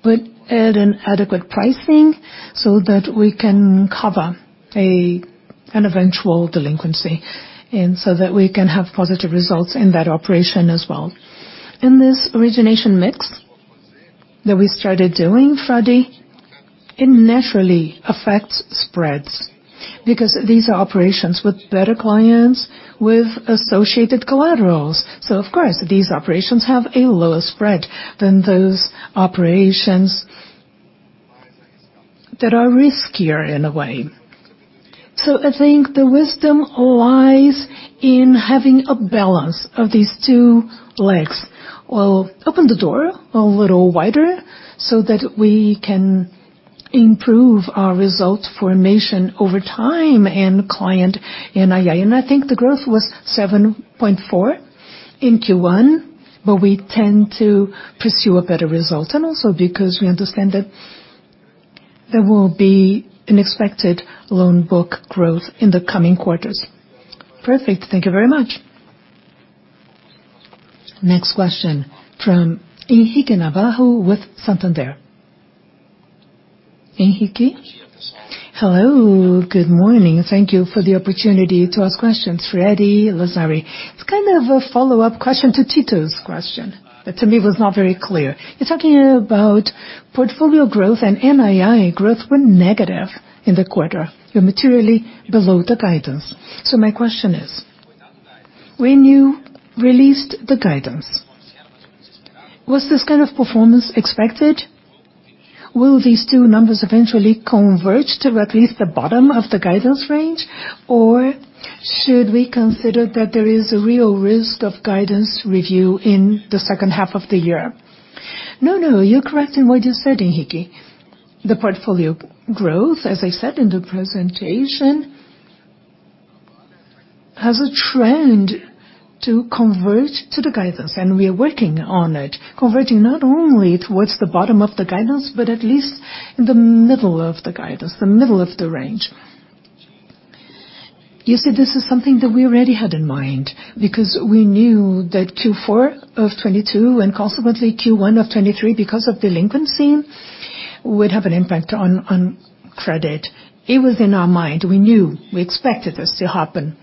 but at an adequate pricing so that we can cover an eventual delinquency, and so that we can have positive results in that operation as well. In this origination mix that we started doing, Frade, it naturally affects spreads because these are operations with better clients with associated collaterals. Of course, these operations have a lower spread than those operations that are riskier in a way. I think the wisdom lies in having a balance of these two legs. We'll open the door a little wider so that we can improve our result formation over time and client NII. I think the growth was 7.4% in Q1, but we tend to pursue a better result. Also because we understand that there will be an expected loan book growth in the coming quarters. Perfect. Thank you very much. Next question from Henrique Navarro with Santander. Henrique? Hello. Good morning. Thank you for the opportunity to ask questions. Freddy Lazari. It's kind of a follow-up question to Tito's question that to me was not very clear. You're talking about portfolio growth and NII growth were negative in the quarter. You're materially below the guidance. My question is, when you released the guidance, was this kind of performance expected? Will these two numbers eventually converge to at least the bottom of the guidance range? Should we consider that there is a real risk of guidance review in the second half of the year? No, no, you're correct in what you said, Henrique. The portfolio growth, as I said in the presentation, has a trend to converge to the guidance, and we are working on it, converging not only towards the bottom of the guidance, but at least in the middle of the guidance, the middle of the range. You see, this is something that we already had in mind because we knew that Q4 of 2022 and consequently Q1 of 2023, because of delinquency, would have an impact on credit. It was in our mind. We knew. We expected this to happen.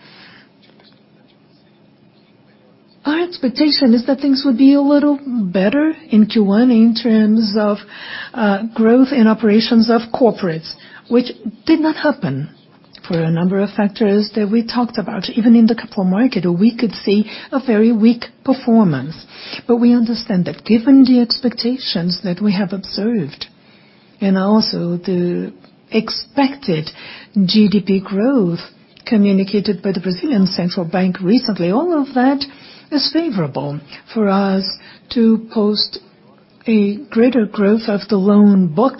Our expectation is that things would be a little better in Q1 in terms of growth in operations of corporates, which did not happen for a number of factors that we talked about. Even in the capital market, we could see a very weak performance. We understand that given the expectations that we have observed and also the expected GDP growth communicated by the Brazilian Central Bank recently, all of that is favorable for us to post a greater growth of the loan book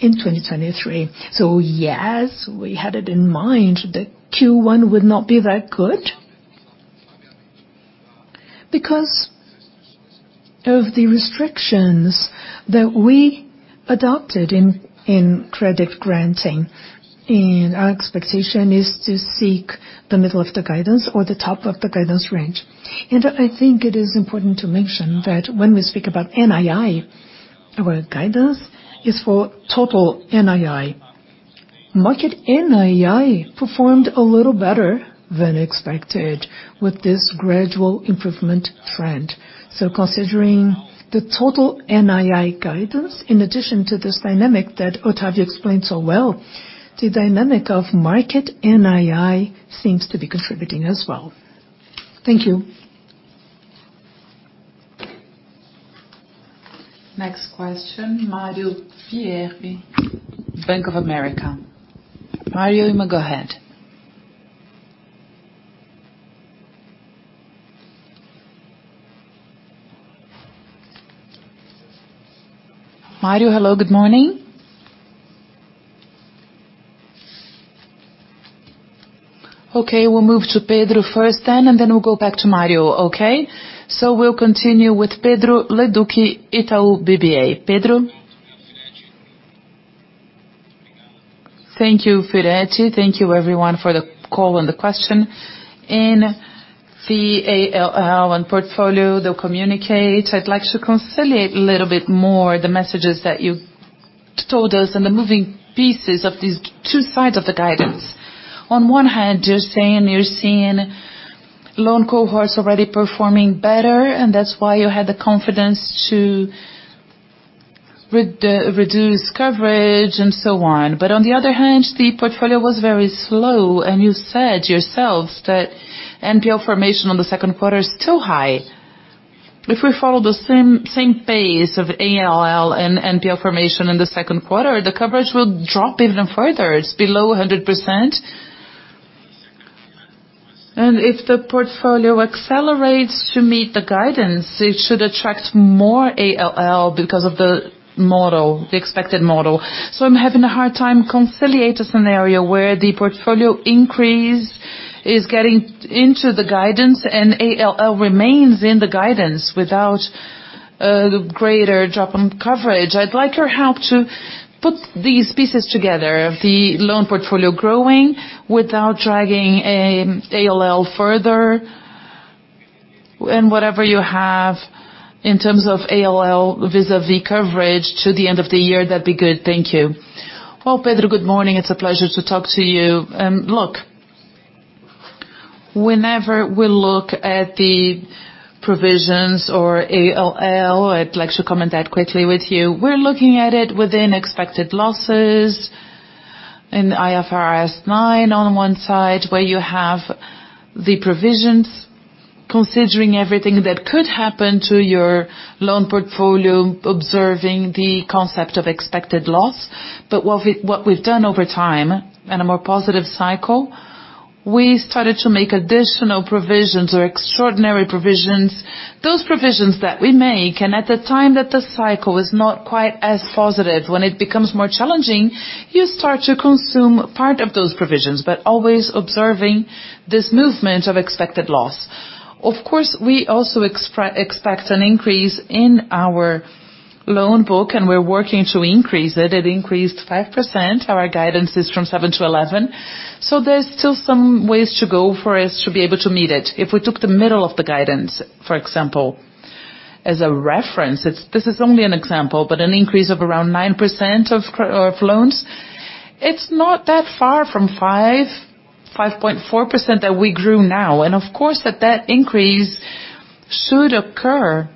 in 2023. Yes, we had it in mind that Q1 would not be that good because of the restrictions that we adopted in credit granting. Our expectation is to seek the middle of the guidance or the top of the guidance range. I think it is important to mention that when we speak about NII, our guidance is for total NII. Market NII performed a little better than expected with this gradual improvement trend. Considering the total NII guidance, in addition to this dynamic that Otávio explained so well, the dynamic of market NII seems to be contributing as well. Thank you. Next question, Mario Pierry, Bank of America. Mario, you may go ahead. Mario, hello, good morning. We'll move to Pedro first then, and then we'll go back to Mario, okay? We'll continue with Pedro Leduc, Itaú BBA. Pedro? Thank you, Firetti. Thank you everyone for the call and the question. In the ALL and portfolio, the communicate, I'd like to conciliate a little bit more the messages that you told us and the moving pieces of these two sides of the guidance. On one hand, you're saying you're seeing loan cohorts already performing better, and that's why you had the confidence to reduce coverage and so on. On the other hand, the portfolio was very slow, and you said yourselves that NPL formation on the Q2 is still high. If we follow the same pace of ALL and NPL formation in the Q2, the coverage will drop even further. It's below 100%. If the portfolio accelerates to meet the guidance, it should attract more ALL because of the model, the expected model. I'm having a hard time conciliate a scenario where the portfolio increase is getting into the guidance and ALL remains in the guidance without a greater drop in coverage. I'd like your help to put these pieces together of the loan portfolio growing without dragging ALL further and whatever you have in terms of ALL vis-a-vis coverage to the end of the year. That'd be good. Thank you. Well, Pedro, good morning. It's a pleasure to talk to you. Look, whenever we look at the provisions or ALL, I'd like to comment that quickly with you. We're looking at it within expected losses in IFRS 9 on one side, where you have the provisions considering everything that could happen to your loan portfolio, observing the concept of expected loss. What we, what we've done over time in a more positive cycle, we started to make additional provisions or extraordinary provisions. Those provisions that we make, and at the time that the cycle is not quite as positive, when it becomes more challenging, you start to consume part of those provisions, but always observing this movement of expected loss. Of course, we also expect an increase in our loan book, and we're working to increase it. It increased 5%. Our guidance is from 7-11. There's still some ways to go for us to be able to meet it. If we took the middle of the guidance, for example. As a reference, this is only an example, but an increase of around 9% of loans, it's not that far from 5.4% that we grew now. Of course, that increase should occur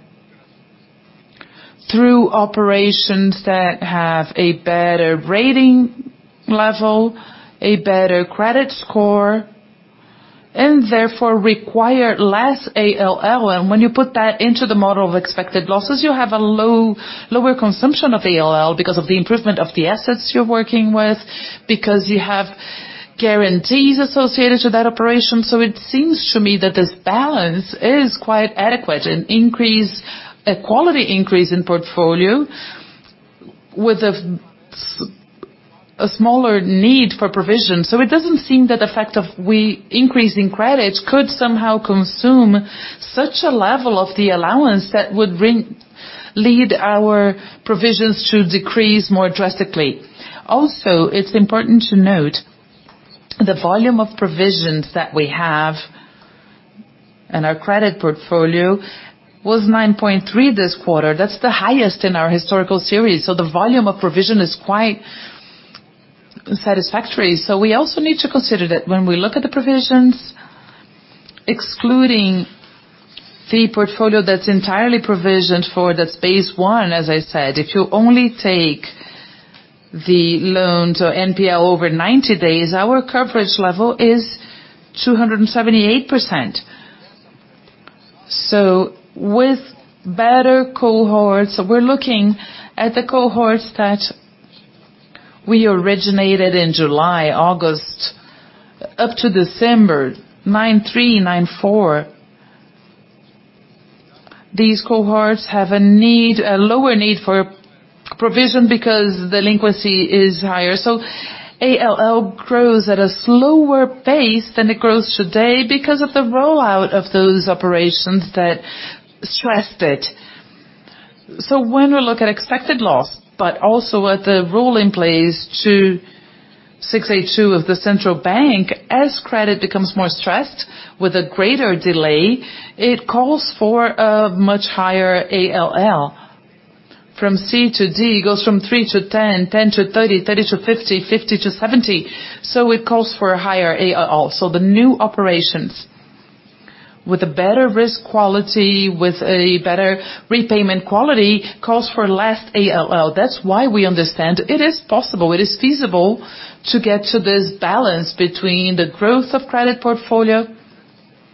through operations that have a better rating level, a better credit score, and therefore require less ALL. When you put that into the model of expected losses, you have a lower consumption of ALL because of the improvement of the assets you're working with, because you have guarantees associated to that operation. It seems to me that this balance is quite adequate. A quality increase in portfolio with a smaller need for provision. It doesn't seem that the fact of we increasing credits could somehow consume such a level of the allowance that would lead our provisions to decrease more drastically. It's important to note the volume of provisions that we have in our credit portfolio was 9.3 this quarter. That's the highest in our historical series. The volume of provision is quite satisfactory. We also need to consider that when we look at the provisions, excluding the portfolio that's entirely provisioned for that phase I, as I said, if you only take the loans or NPL over 90 days, our coverage level is 278%. With better cohorts, we're looking at the cohorts that we originated in July, August, up to December, 93-94. These cohorts have a lower need for provision because delinquency is higher. ALL grows at a slower pace than it grows today because of the rollout of those operations that stressed it. When we look at expected loss, but also at the rule in place to six A two of the central bank, as credit becomes more stressed with a greater delay, it calls for a much higher ALL. From C to D, it goes from 3 to 10 to 30 to 50 to 70. It calls for a higher ALL. The new operations with a better risk quality, with a better repayment quality, calls for less ALL. That's why we understand it is possible, it is feasible to get to this balance between the growth of credit portfolio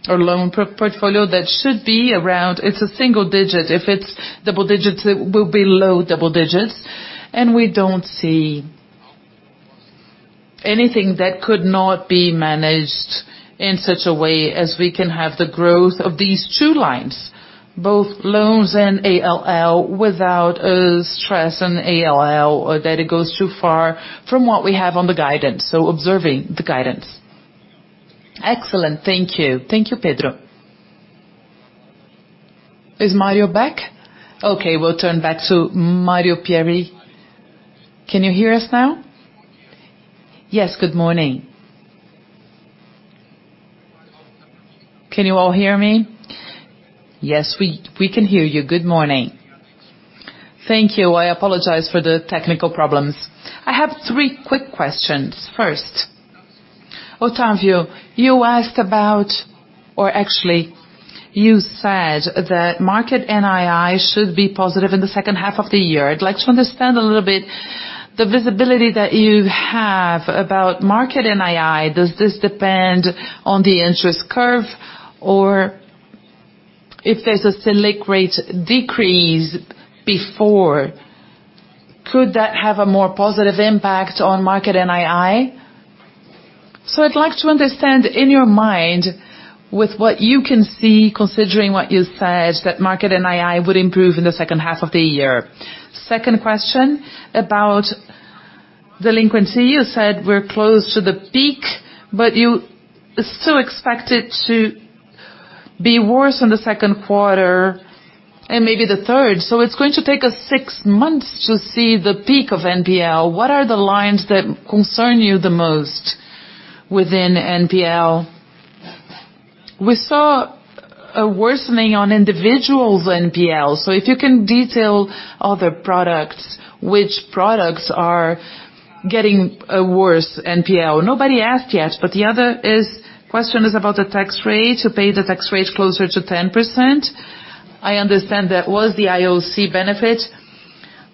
or loan portfolio that should be around... It's a single digit. If it's double digits, it will be low double digits. We don't see anything that could not be managed in such a way as we can have the growth of these two lines, both loans and ALL, without a stress on ALL that it goes too far from what we have on the guidance. Observing the guidance. Excellent. Thank you. Thank you, Pedro. Is Mario back? Okay, we'll turn back to Mario Pierry. Can you hear us now? Yes, good morning. Can you all hear me? Yes, we can hear you. Good morning. Thank you. I apologize for the technical problems. I have three quick questions. First, Otávio, you asked about, or actually you said that market NII should be positive in the second half of the year. I'd like to understand a little bit the visibility that you have about market NII. Does this depend on the interest curve, or if there's a Selic rate decrease before, could that have a more positive impact on market NII? I'd like to understand in your mind, with what you can see, considering what you said, that market NII would improve in the 2nd half of the year. second question, about delinquency. You said we're close to the peak, but you still expect it to be worse in the Q2 and maybe the 3rd. It's going to take us 6 months to see the peak of NPL. What are the lines that concern you the most within NPL? We saw a worsening on individuals NPL. If you can detail other products, which products are getting a worse NPL. Nobody asked yet, but the other question is about the tax rate, to pay the tax rate closer to 10%. I understand that was the IOC benefit,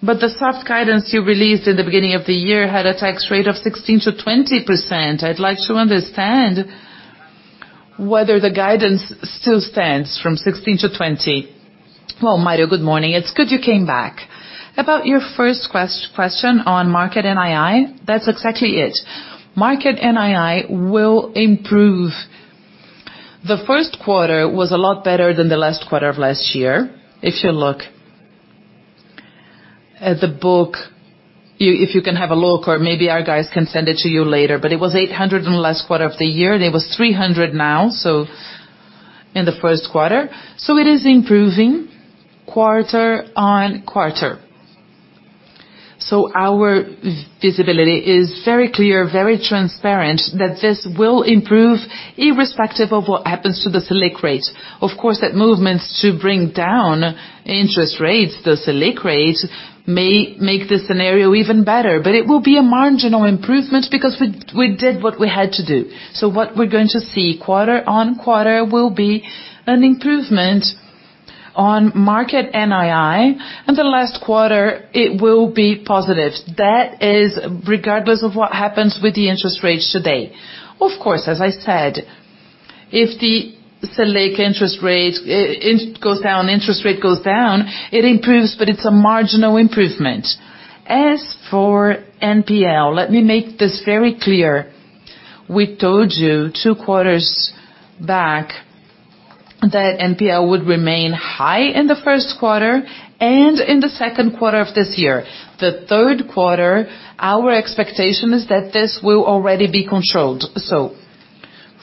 the soft guidance you released in the beginning of the year had a tax rate of 16%-20%. I'd like to understand whether the guidance still stands from 16% to 20%. Well, Mario, good morning. It's good you came back. About your first question on market NII, that's exactly it. Market NII will improve. The Q1 was a lot better than the last quarter of last year. If you look at the book, if you can have a look, or maybe our guys can send it to you later, but it was 800 in last quarter of the year, and it was 300 now, so in the Q1. It is improving quarter-on-quarter. Our visibility is very clear, very transparent, that this will improve irrespective of what happens to the Selic rate. Of course, that movements to bring down interest rates, the Selic rate, may make the scenario even better, but it will be a marginal improvement because we did what we had to do. What we're going to see quarter on quarter will be an improvement on market NII, and the last quarter it will be positive. That is regardless of what happens with the interest rates today. Of course, as I said, if the Selic interest rate, it goes down, interest rate goes down, it improves, but it's a marginal improvement. As for NPL, let me make this very clear, we told you two quarters back that NPL would remain high in the Q1 and in the Q2 of this year. The Q3, our expectation is that this will already be controlled.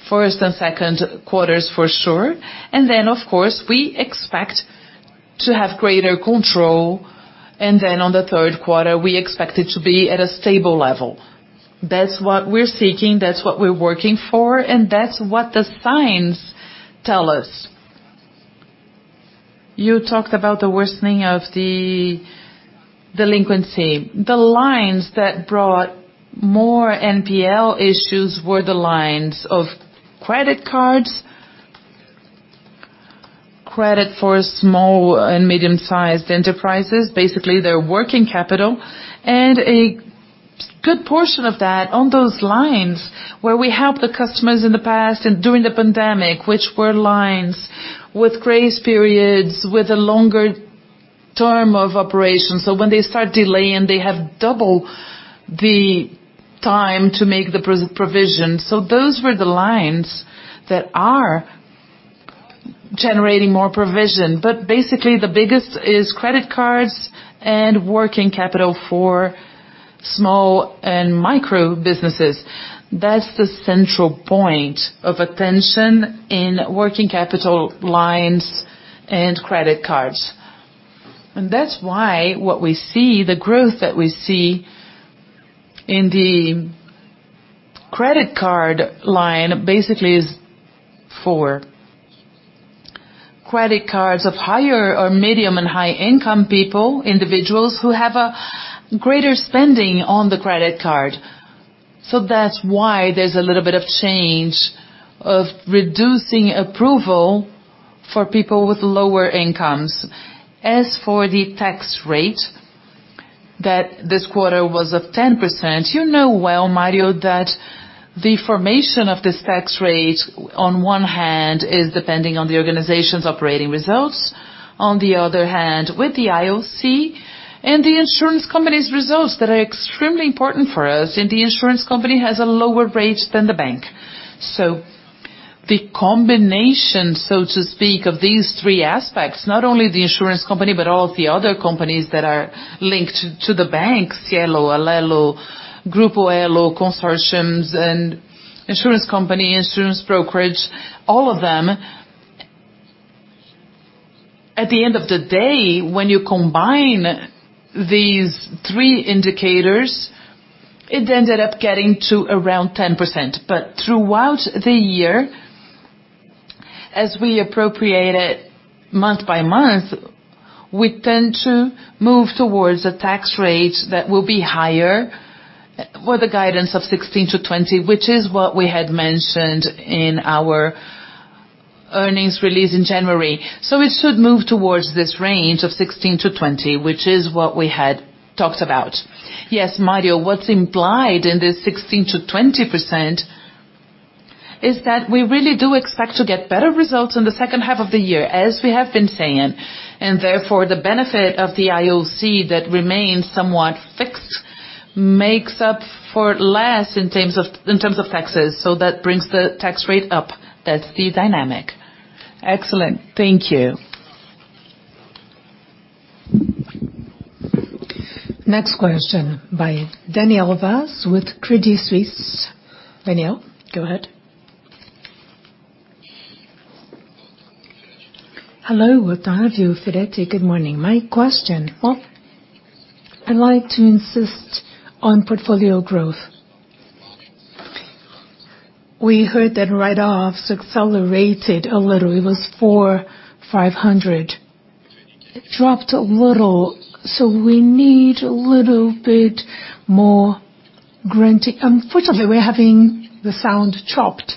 First and Q2s for sure, and then, of course, we expect to have greater control, and then on the Q3 we expect it to be at a stable level. That's what we're seeking, that's what we're working for, and that's what the signs tell us. You talked about the worsening of the delinquency. The lines that brought more NPL issues were the lines of credit cards, credit for small and medium-sized enterprises, basically their working capital, and a good portion of that on those lines where we helped the customers in the past and during the pandemic, which were lines with grace periods, with a longer term of operation. When they start delaying, they have double the time to make the pro-provision. Those were the lines that are generating more provision. Basically, the biggest is credit cards and working capital for small and micro businesses. That's the central point of attention in working capital lines and credit cards. That's why what we see, the growth that we see in the credit card line basically is for credit cards of higher or medium and high income people, individuals who have a greater spending on the credit card. That's why there's a little bit of change of reducing approval for people with lower incomes. As for the tax rate that this quarter was of 10%, you know well, Mario, that the formation of this tax rate on one hand is depending on the organization's operating results, on the other hand, with the IOC and the insurance company's results that are extremely important for us, and the insurance company has a lower rate than the bank. The combination, so to speak, of these three aspects, not only the insurance company, but all of the other companies that are linked to the banks, Cielo, Alelo, Grupo Alelo, consortiums and insurance company, insurance brokerage, all of them. At the end of the day, when you combine these three indicators, it ended up getting to around 10%. Throughout the year, as we appropriate it month by month, we tend to move towards a tax rate that will be higher with a guidance of 16%-20%, which is what we had mentioned in our earnings release in January. It should move towards this range of 16%-20%, which is what we had talked about. Yes, Mario, what's implied in this 16% to 20% is that we really do expect to get better results in the second half of the year, as we have been saying. Therefore, the benefit of the IOC that remains somewhat fixed makes up for less in terms of, in terms of taxes. That brings the tax rate up. That's the dynamic. Excellent. Thank you. Next question by Daniel Vaz with Credit Suisse. Daniel, go ahead. Hello. Good afternoon, Firetti. Good morning. My question, well, I'd like to insist on portfolio growth. We heard that write-offs accelerated a little. It was 4,500. It dropped a little, so we need a little bit more. Unfortunately, we're having the sound chopped.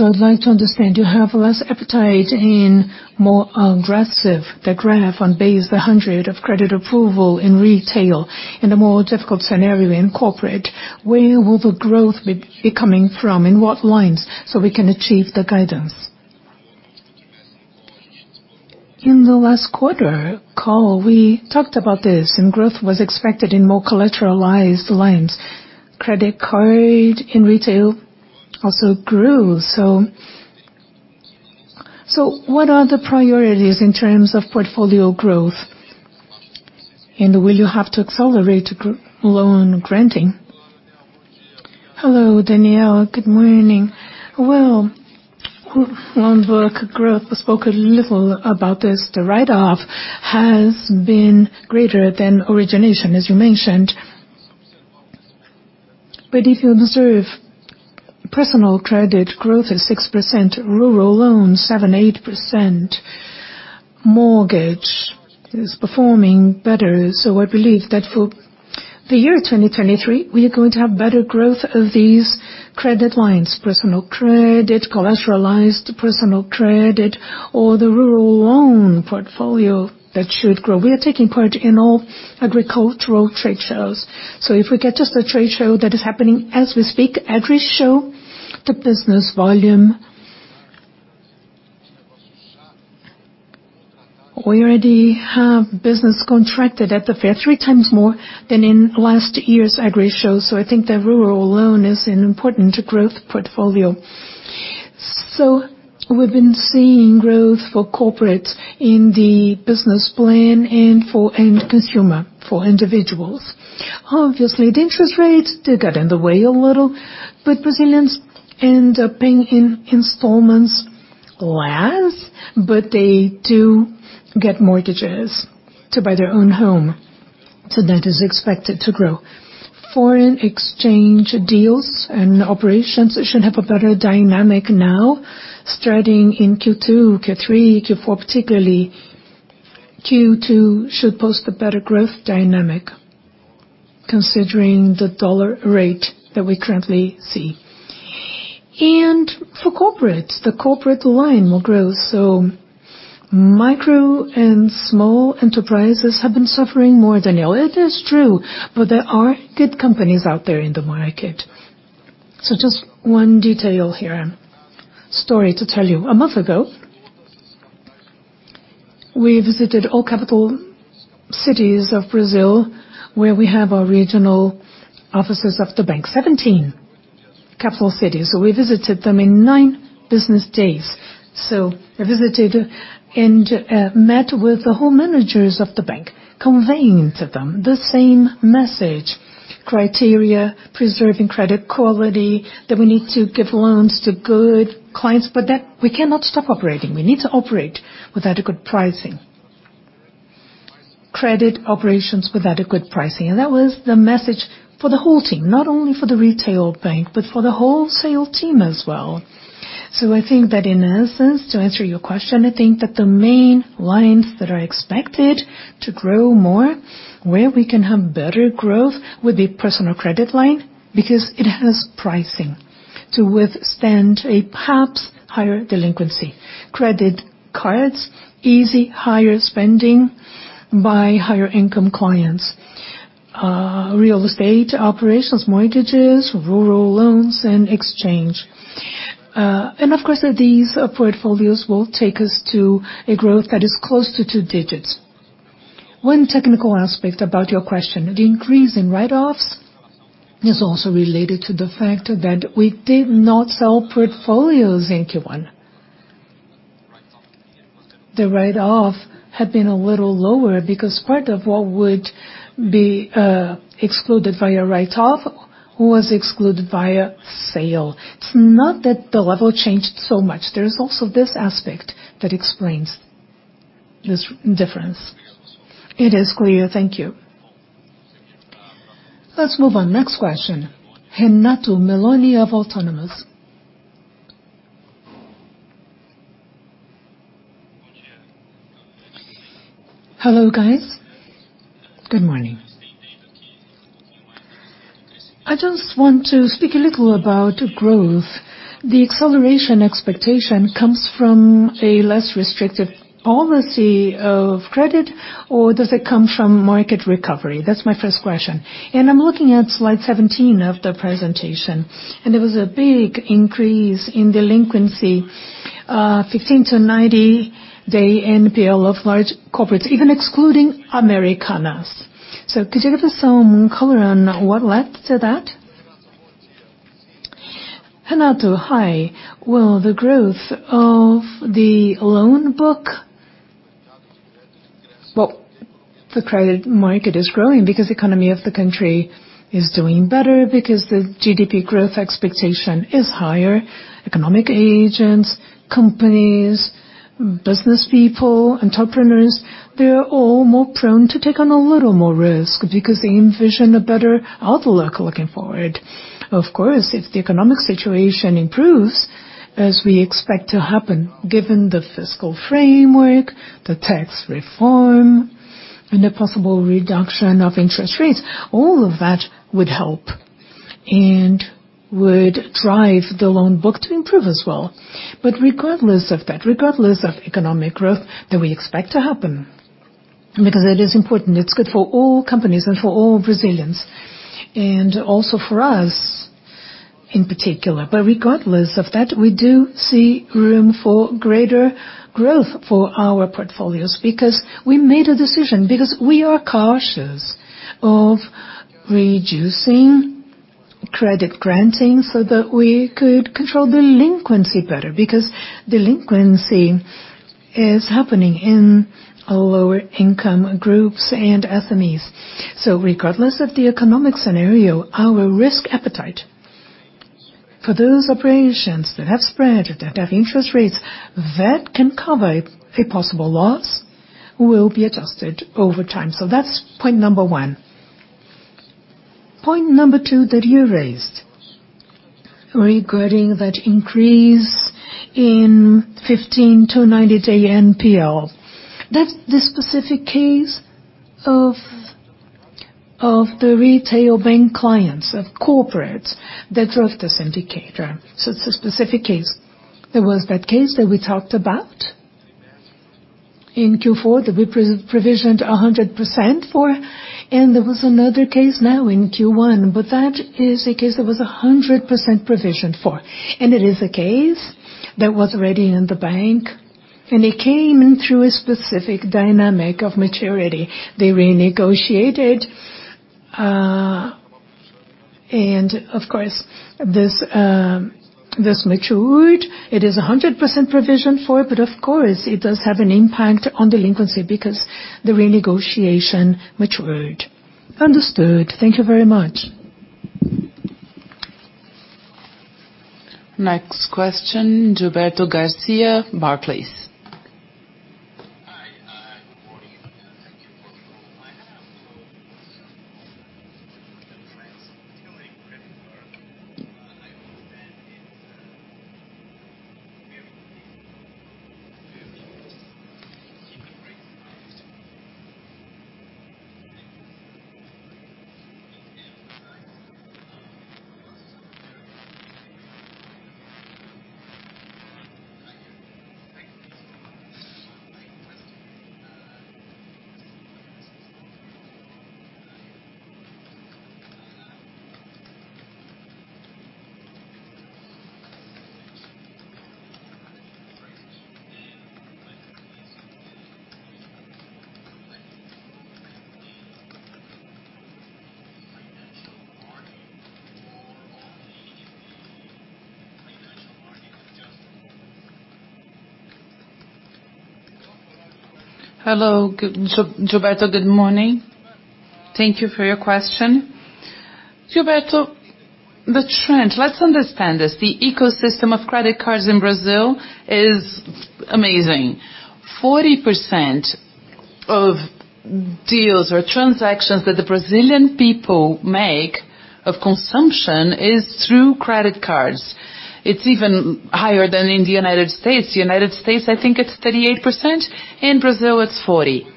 I'd like to understand, you have less appetite in more aggressive the graph on base, the 100 of credit approval in retail. In a more difficult scenario in corporate, where will the growth be coming from, in what lines, so we can achieve the guidance? In the last quarter call, we talked about this. Growth was expected in more collateralized lines. Credit card in retail also grew. What are the priorities in terms of portfolio growth? Will you have to accelerate loan granting? Hello, Daniel. Good morning. Well, loan book growth, I spoke a little about this. The write-off has been greater than origination, as you mentioned. If you observe, personal credit growth is 6%, rural loans 7%-8%. Mortgage is performing better. I believe that for the year 2023, we are going to have better growth of these credit lines, personal credit, collateralized personal credit, or the rural loan portfolio that should grow. We are taking part in all agricultural trade shows. If we get just a trade show that is happening as we speak, every show, the business volume. We already have business contracted at the fair three times more than in last year's ag shows. I think the rural loan is an important growth portfolio. We've been seeing growth for corporate in the business plan and for end consumer, for individuals. Obviously, the interest rates did get in the way a little, Brazilians end up paying in installments less, but they do get mortgages to buy their own home. That is expected to grow. Foreign exchange deals and operations should have a better dynamic now, starting in Q2, Q3, Q4, particularly. Q2 should post a better growth dynamic considering the dollar rate that we currently see. For corporate, the corporate line will grow. Micro and small enterprises have been suffering more, Daniel. It is true, but there are good companies out there in the market. Just 1 detail here, story to tell you. A month ago, we visited all capital cities of Brazil, where we have our regional offices of the bank, 17 capital cities. We visited them in 9 business days. I visited and met with the whole managers of the bank, conveying to them the same message, criteria, preserving credit quality, that we need to give loans to good clients, but that we cannot stop operating. We need to operate with adequate pricing. Credit operations with adequate pricing. That was the message for the whole team, not only for the retail bank, but for the wholesale team as well. I think that in essence, to answer your question, I think that the main lines that are expected to grow more, where we can have better growth, would be personal credit line because it has pricing to withstand a perhaps higher delinquency. Credit cards, easy, higher spending by higher income clients, real estate operations, mortgages, rural loans and exchange. Of course, these portfolios will take us to a growth that is close to two digits. One technical aspect about your question, the increase in write-offs is also related to the factor that we did not sell portfolios in Q1. The write-off had been a little lower because part of what would be excluded via write-off was excluded via sale. It's not that the level changed so much. There is also this aspect that explains this difference. It is clear. Thank you. Let's move on. Next question, Renato Meloni of Autonomous. Hello, guys. Good morning. I just want to speak a little about growth. The acceleration expectation comes from a less restrictive policy of credit, or does it come from market recovery? That's my first question. I'm looking at slide 17 of the presentation, and there was a big increase in delinquency, 15-90-day NPL of large corporates, even excluding Americanas. Could you give us some color on what led to that? Renato, hi. Well, the credit market is growing because economy of the country is doing better, because the GDP growth expectation is higher. Economic agents, companies, business people, entrepreneurs, they are all more prone to take on a little more risk because they envision a better outlook looking forward. Of course, if the economic situation improves, as we expect to happen, given the fiscal framework, the tax reform, and a possible reduction of interest rates, all of that would help and would drive the loan book to improve as well. Regardless of that, regardless of economic growth that we expect to happen, because it is important, it's good for all companies and for all Brazilians, and also for us in particular. Regardless of that, we do see room for greater growth for our portfolios because we made a decision, because we are cautious of reducing credit granting so that we could control delinquency better. Delinquency is happening in our lower income groups and SMEs. Regardless of the economic scenario, our risk appetite for those operations that have spread or that have interest rates that can cover a possible loss, will be adjusted over time. That's point number 1. Point number 2 that you raised regarding that increase in 15 to 90-day NPL. That's the specific case of the retail bank clients, of corporates that drove this indicator. It's a specific case. There was that case that we talked about in Q4 that we provisioned 100% for. There was another case now in Q1. That is a case that was 100% provisioned for. It is a case that was already in the bank. It came in through a specific dynamic of maturity. They renegotiated. Of course, this matured. It is 100% provisioned for. Of course it does have an impact on delinquency because the renegotiation matured. Understood. Thank you very much. Next question, Gilberto Garcia, Barclays. Hi, good morning. Thank you. I understand it's very Hello, Gilberto. Good morning. Thank you for your question. Gilberto, the trend, let's understand this, the ecosystem of credit cards in Brazil is amazing. 40% of deals or transactions that the Brazilian people make of consumption is through credit cards. It's even higher than in the United States. United States, I think it's 38%, in Brazil, it's 40%.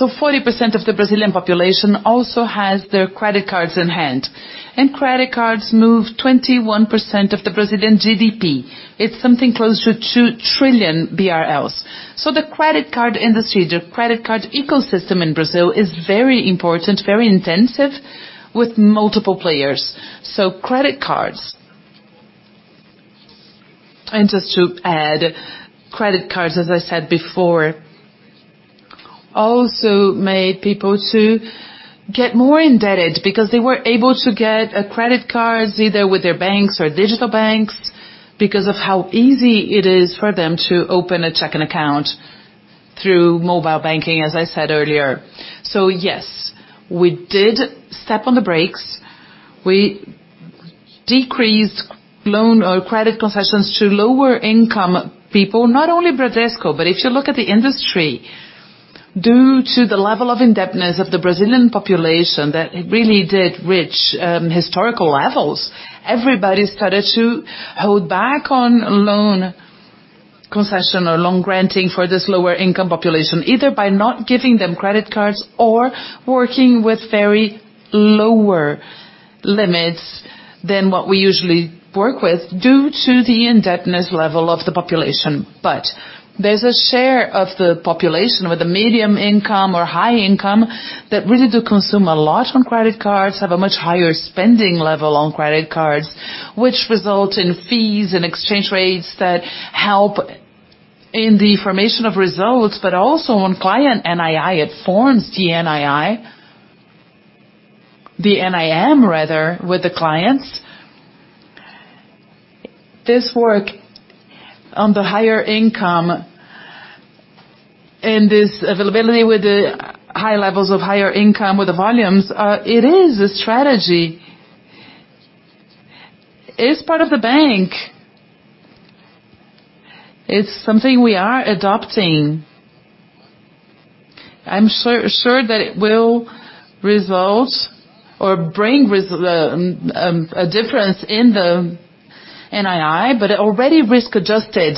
40% of the Brazilian population also has their credit cards in hand, and credit cards move 21% of the Brazilian GDP. It's something close to 2 trillion BRL. The credit card industry, the credit card ecosystem in Brazil is very important, very intensive, with multiple players. Credit cards... Just to add, credit cards, as I said before, also made people to get a credit cards either with their banks or digital banks because of how easy it is for them to open a checking account through mobile banking, as I said earlier. Yes, we did step on the brakes. We decreased loan or credit concessions to lower income people. Not only Bradesco, but if you look at the industry, due to the level of indebtedness of the Brazilian population, that it really did reach historical levels, everybody started to hold back on loan concession or loan granting for this lower income population, either by not giving them credit cards or working with very lower limits than what we usually work with due to the indebtedness level of the population. There's a share of the population with a medium income or high income that really do consume a lot on credit cards, have a much higher spending level on credit cards, which result in fees and exchange rates that help in the formation of results, but also on client NII, it forms the NII. The NIM, rather, with the clients. This work on the higher income and this availability with the high levels of higher income with the volumes, it is a strategy. It's part of the bank. It's something we are adopting. I'm sure that it will result or bring a difference in the NII, but already risk-adjusted.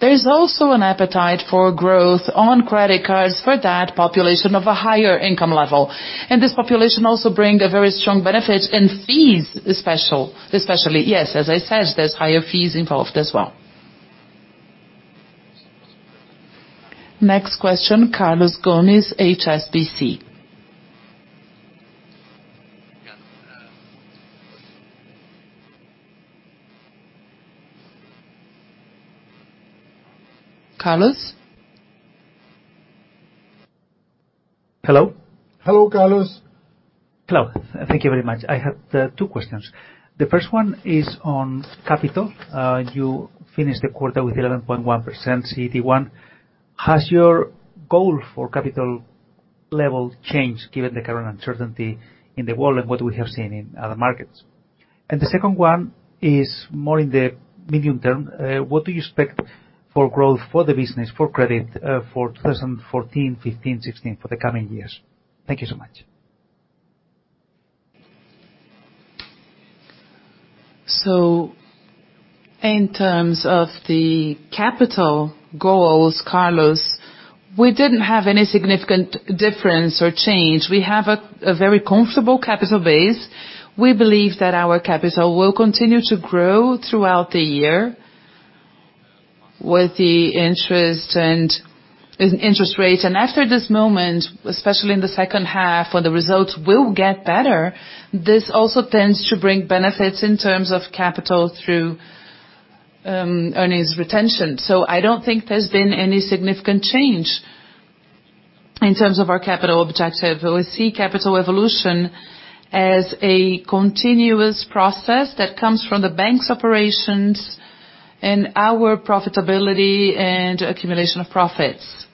There's also an appetite for growth on credit cards for that population of a higher income level. This population also bring a very strong benefit in fees, especially, yes, as I said, there's higher fees involved as well. Next question, Carlos Gomez, HSBC. Carlos? Hello? Hello, Carlos. Carlos, thank you very much. I have two questions. The first one is on capital. You finished the quarter with 11.1% CET1. Has your goal for capital level changed given the current uncertainty in the world and what we have seen in other markets? The second one is more in the medium term. What do you expect for growth for the business, for credit, for 2014, 2015, 2016, for the coming years? Thank you so much. In terms of the capital goals, Carlos, we didn't have any significant difference or change. We have a very comfortable capital base. We believe that our capital will continue to grow throughout the year with the interest rates. After this moment, especially in the second half, when the results will get better, this also tends to bring benefits in terms of capital through earnings retention. I don't think there's been any significant change in terms of our capital objective. We see capital evolution as a continuous process that comes from the bank's operations and our profitability and accumulation of profits.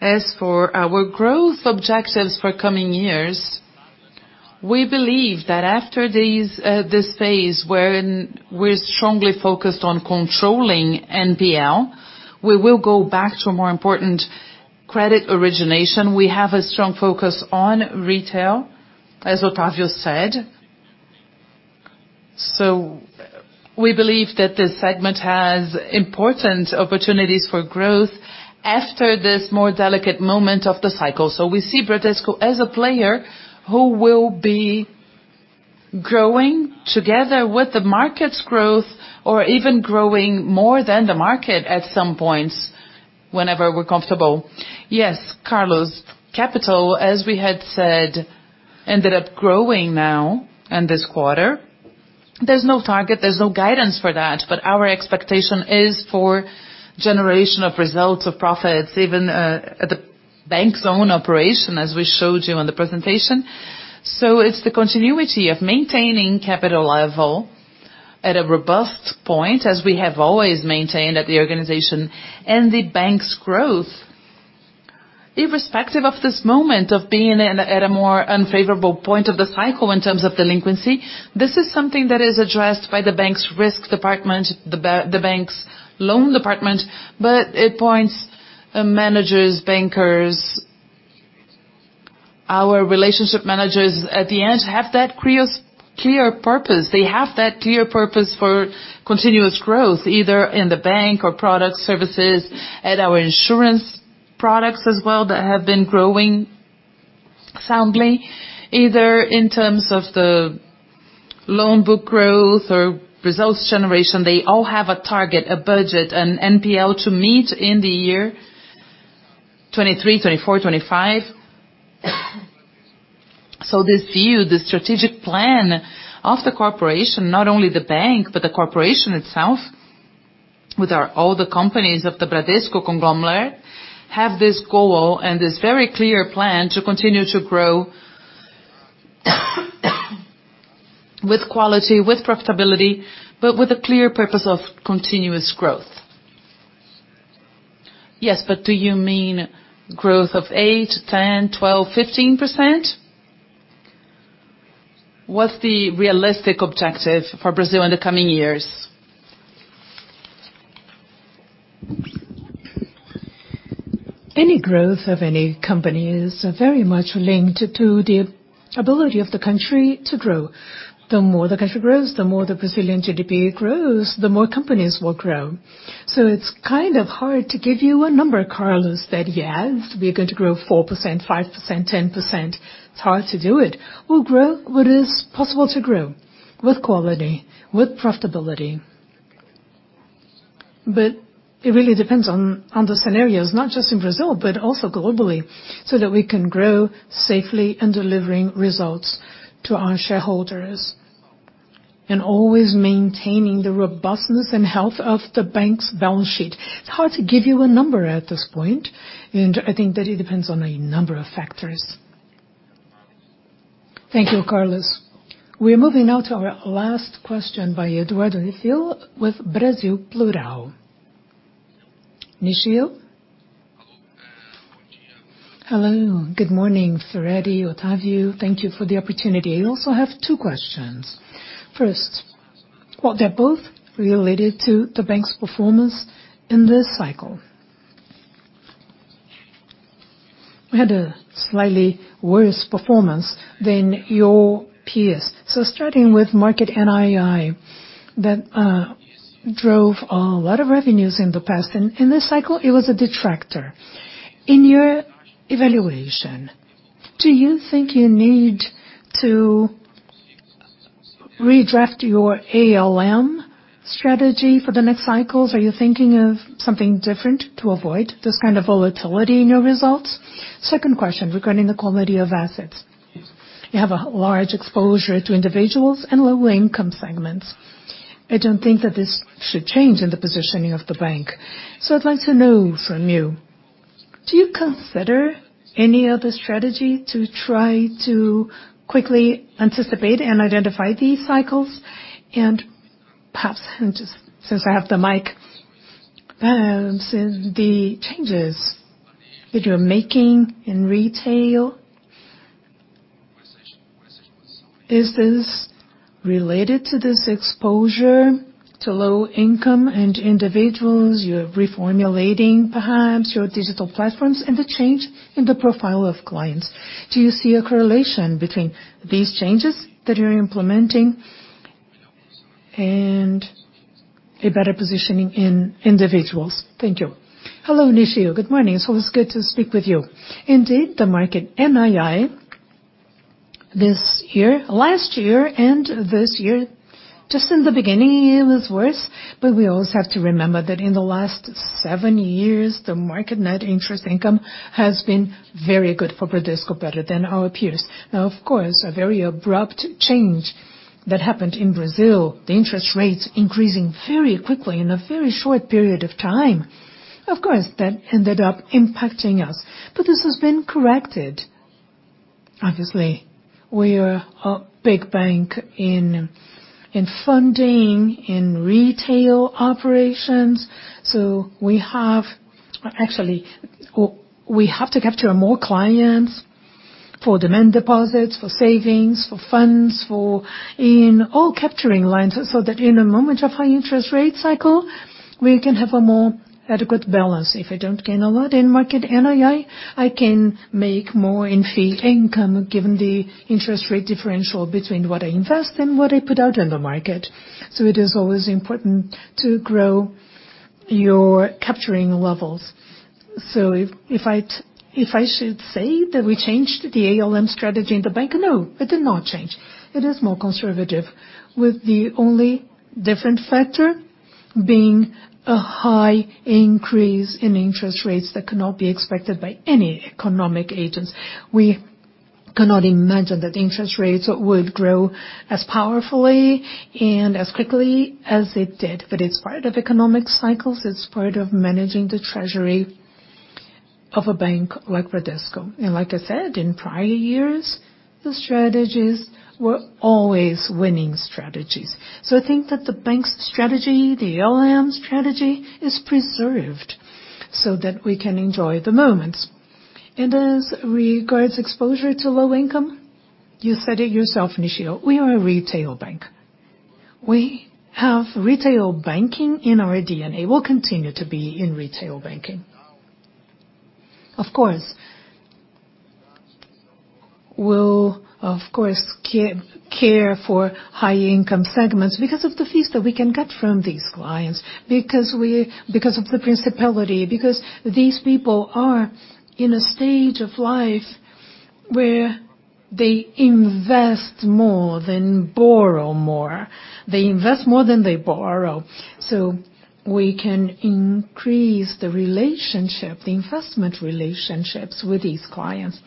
As for our growth objectives for coming years, we believe that after this phase when we're strongly focused on controlling NPL, we will go back to a more important credit origination. We have a strong focus on retail, as Otávio said. We believe that this segment has important opportunities for growth after this more delicate moment of the cycle. We see Bradesco as a player who will be growing together with the market's growth or even growing more than the market at some points whenever we're comfortable. Yes, Carlos, capital, as we had said, ended up growing now in this quarter. There's no target, there's no guidance for that, but our expectation is for generation of results, of profits, even, at the bank's own operation, as we showed you on the presentation. It's the continuity of maintaining capital level at a robust point, as we have always maintained at the organization. The bank's growth, irrespective of this moment of being at a more unfavorable point of the cycle in terms of delinquency, this is something that is addressed by the bank's risk department, the bank's loan department, but it points managers, bankers. Our relationship managers at the end have that clear purpose. They have that clear purpose for continuous growth, either in the bank or product services, at our insurance products as well that have been growing soundly, either in terms of the loan book growth or results generation. They all have a target, a budget, an NPL to meet in the year 2023, 2024, 2025. This view, the strategic plan of the corporation, not only the bank, but the corporation itself, with our older companies of the Bradesco conglomerate, have this goal and this very clear plan to continue to grow with quality, with profitability, but with a clear purpose of continuous growth. Yes, do you mean growth of 8%, 10%, 12%, 15%? What's the realistic objective for Brazil in the coming years? Any growth of any company is very much linked to the ability of the country to grow. The more the country grows, the more the Brazilian GDP grows, the more companies will grow. It's kind of hard to give you a number, Carlos, that, yes, we're going to grow 4%, 5%, 10%. It's hard to do it. We'll grow what is possible to grow with quality, with profitability. It really depends on the scenarios, not just in Brazil, but also globally, so that we can grow safely and delivering results to our shareholders and always maintaining the robustness and health of the bank's balance sheet. It's hard to give you a number at this point, and I think that it depends on a number of factors. Thank you, Carlos. We're moving now to our last question by Eduardo Nishio with Brasil Plural. Nishio? Hello. Good morning, Firetti, Otávio. Thank you for the opportunity. I also have two questions. First. Well, they're both related to the bank's performance in this cycle. We had a slightly worse performance than your peers. Starting with market NII that drove a lot of revenues in the past. In this cycle, it was a detractor. In your evaluation, do you think you need to redraft your ALM strategy for the next cycles? Are you thinking of something different to avoid this kind of volatility in your results? Second question regarding the quality of assets. You have a large exposure to individuals and low-income segments. I don't think that this should change in the positioning of the bank. I'd like to know from you, do you consider any other strategy to try to quickly anticipate and identify these cycles? Perhaps, just since I have the mic, since the changes that you're making in retail, is this related to this exposure to low income and individuals? You're reformulating perhaps your digital platforms and the change in the profile of clients. Do you see a correlation between these changes that you're implementing and a better positioning in individuals? Thank you. Hello, Nishio. Good morning. It's always good to speak with you. Indeed, the market NII Last year and this year, just in the beginning, it was worse, but we always have to remember that in the last seven years, the market net interest income has been very good for Bradesco, better than our peers. Of course, a very abrupt change that happened in Brazil, the interest rates increasing very quickly in a very short period of time. That ended up impacting us, but this has been corrected. Obviously, we are a big bank in funding, in retail operations. Actually, we have to capture more clients for demand deposits, for savings, for funds. In all capturing lines, so that in a moment of high interest rate cycle, we can have a more adequate balance. If I don't gain a lot in market NII, I can make more in fee income, given the interest rate differential between what I invest and what I put out in the market. It is always important to grow your capturing levels. If, if I should say that we changed the ALM strategy in the bank? It did not change. It is more conservative with the only different factor being a high increase in interest rates that could not be expected by any economic agents. We cannot imagine that interest rates would grow as powerfully and as quickly as it did. It's part of economic cycles, it's part of managing the treasury of a bank like Bradesco. Like I said, in prior years, the strategies were always winning strategies. I think that the bank's strategy, the ALM strategy, is preserved so that we can enjoy the moment. As regards exposure to low income, you said it yourself, Nishio, we are a retail bank. We have retail banking in our DNA. We'll continue to be in retail banking. Of course, we'll, of course, care for high-income segments because of the fees that we can get from these clients, because of the principality, because these people are in a stage of life where they invest more than borrow more. They invest more than they borrow. We can increase the investment relationships with these clients.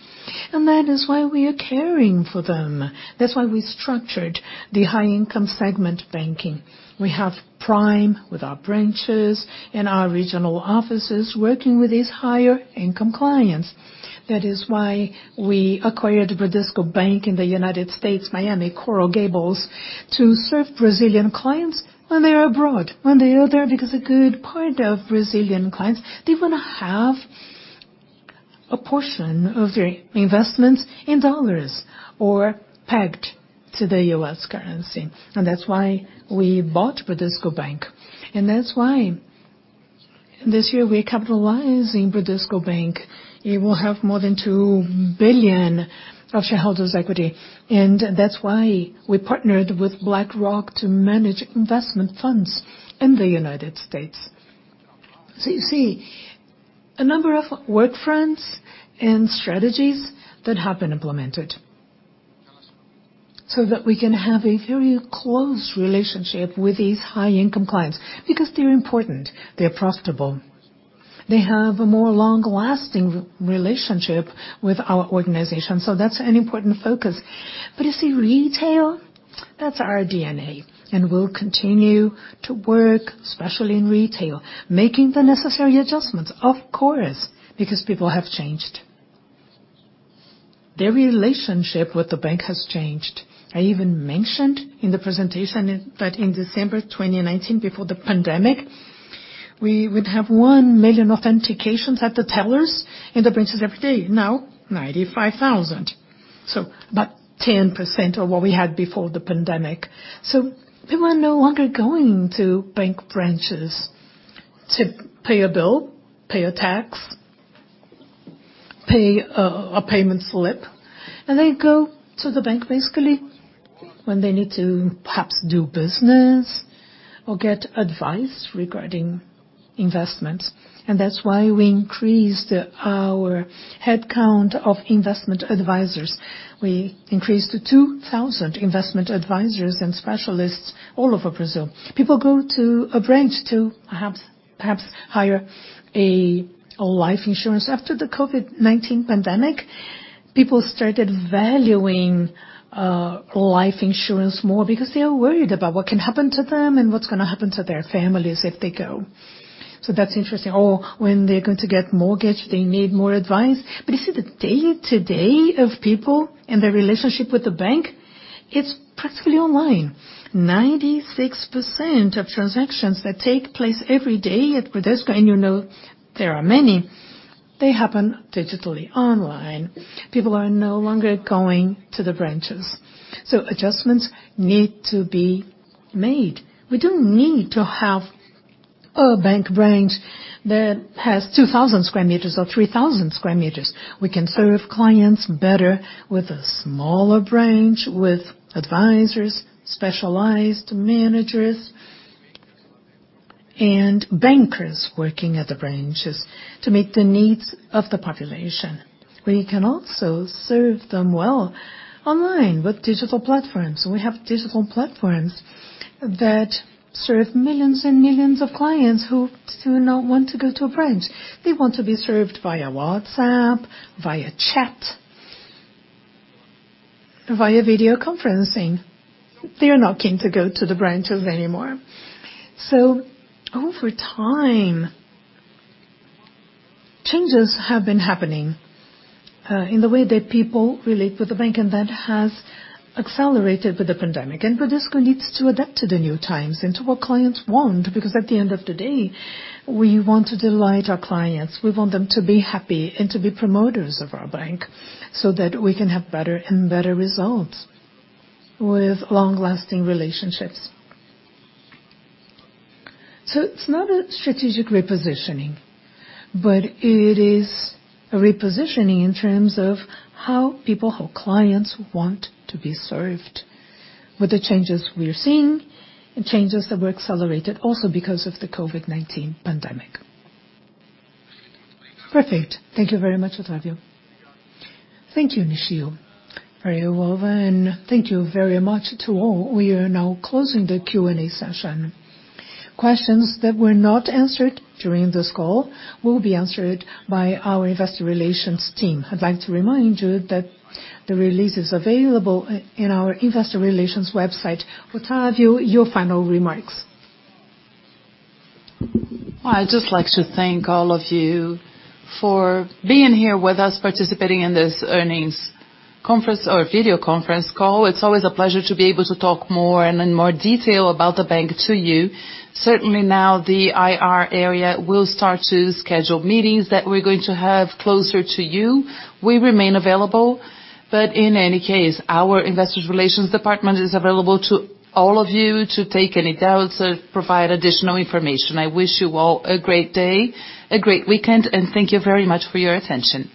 That is why we are caring for them. That's why we structured the high-income segment banking. We have Prime with our branches and our regional offices working with these higher income clients. That is why we acquired Bradesco Bank in the U.S., Miami, Coral Gables, to serve Brazilian clients when they are abroad, when they are there, because a good part of Brazilian clients, they wanna have a portion of their investments in dollars or pegged to the U.S. currency. That's why we bought Bradesco Bank. That's why this year we're capitalizing Bradesco Bank. It will have more than $2 billion of shareholders' equity. That's why we partnered with BlackRock to manage investment funds in the United States. You see, a number of work fronts and strategies that have been implemented so that we can have a very close relationship with these high-income clients because they're important, they're profitable. They have a more long-lasting re-relationship with our organization, so that's an important focus. You see, retail, that's our DNA, and we'll continue to work, especially in retail, making the necessary adjustments, of course, because people have changed. Their relationship with the bank has changed. I even mentioned in the presentation that in December 2019, before the pandemic, we would have 1 million authentications at the tellers in the branches every day. Now 95,000, about 10% of what we had before the pandemic. People are no longer going to bank branches to pay a bill, pay a tax, pay a payment slip. They go to the bank basically when they need to perhaps do business or get advice regarding investments. That's why we increased our headcount of investment advisors. We increased to 2,000 investment advisors and specialists all over Brazil. People go to a branch to perhaps hire a whole life insurance. After the COVID-19 pandemic. People started valuing life insurance more because they are worried about what can happen to them and what's gonna happen to their families if they go. That's interesting. When they're going to get mortgage, they need more advice. You see the day-to-day of people and their relationship with the bank, it's practically online. 96% of transactions that take place every day at Bradesco, and you know there are many, they happen digitally online. People are no longer going to the branches. Adjustments need to be made. We don't need to have a bank branch that has 2,000 sq meters or 3,000 sq meters. We can serve clients better with a smaller branch, with advisors, specialized managers, and bankers working at the branches to meet the needs of the population. We can also serve them well online with digital platforms. We have digital platforms that serve millions and millions of clients who do not want to go to a branch. They want to be served via WhatsApp, via chat, via video conferencing. They're not keen to go to the branches anymore. Over time, changes have been happening, in the way that people relate with the bank, and that has accelerated with the pandemic. Bradesco needs to adapt to the new times and to what clients want, because at the end of the day, we want to delight our clients. We want them to be happy and to be promoters of our bank so that we can have better and better results with long-lasting relationships. It's not a strategic repositioning, but it is a repositioning in terms of how clients want to be served with the changes we're seeing and changes that were accelerated also because of the COVID-19 pandemic. Perfect. Thank you very much, Otávio. Thank you, Nishio. Very well. Thank you very much to all. We are now closing the Q&A session. Questions that were not answered during this call will be answered by our investor relations team. I'd like to remind you that the release is available in our investor relations website. Otávio, your final remarks. Well, I'd just like to thank all of you for being here with us, participating in this earnings conference or video conference call. It's always a pleasure to be able to talk more and in more detail about the bank to you. Certainly now the IR area will start to schedule meetings that we're going to have closer to you. We remain available, but in any case, our investor relations department is available to all of you to take any doubts or provide additional information. I wish you all a great day, a great weekend, and thank you very much for your attention.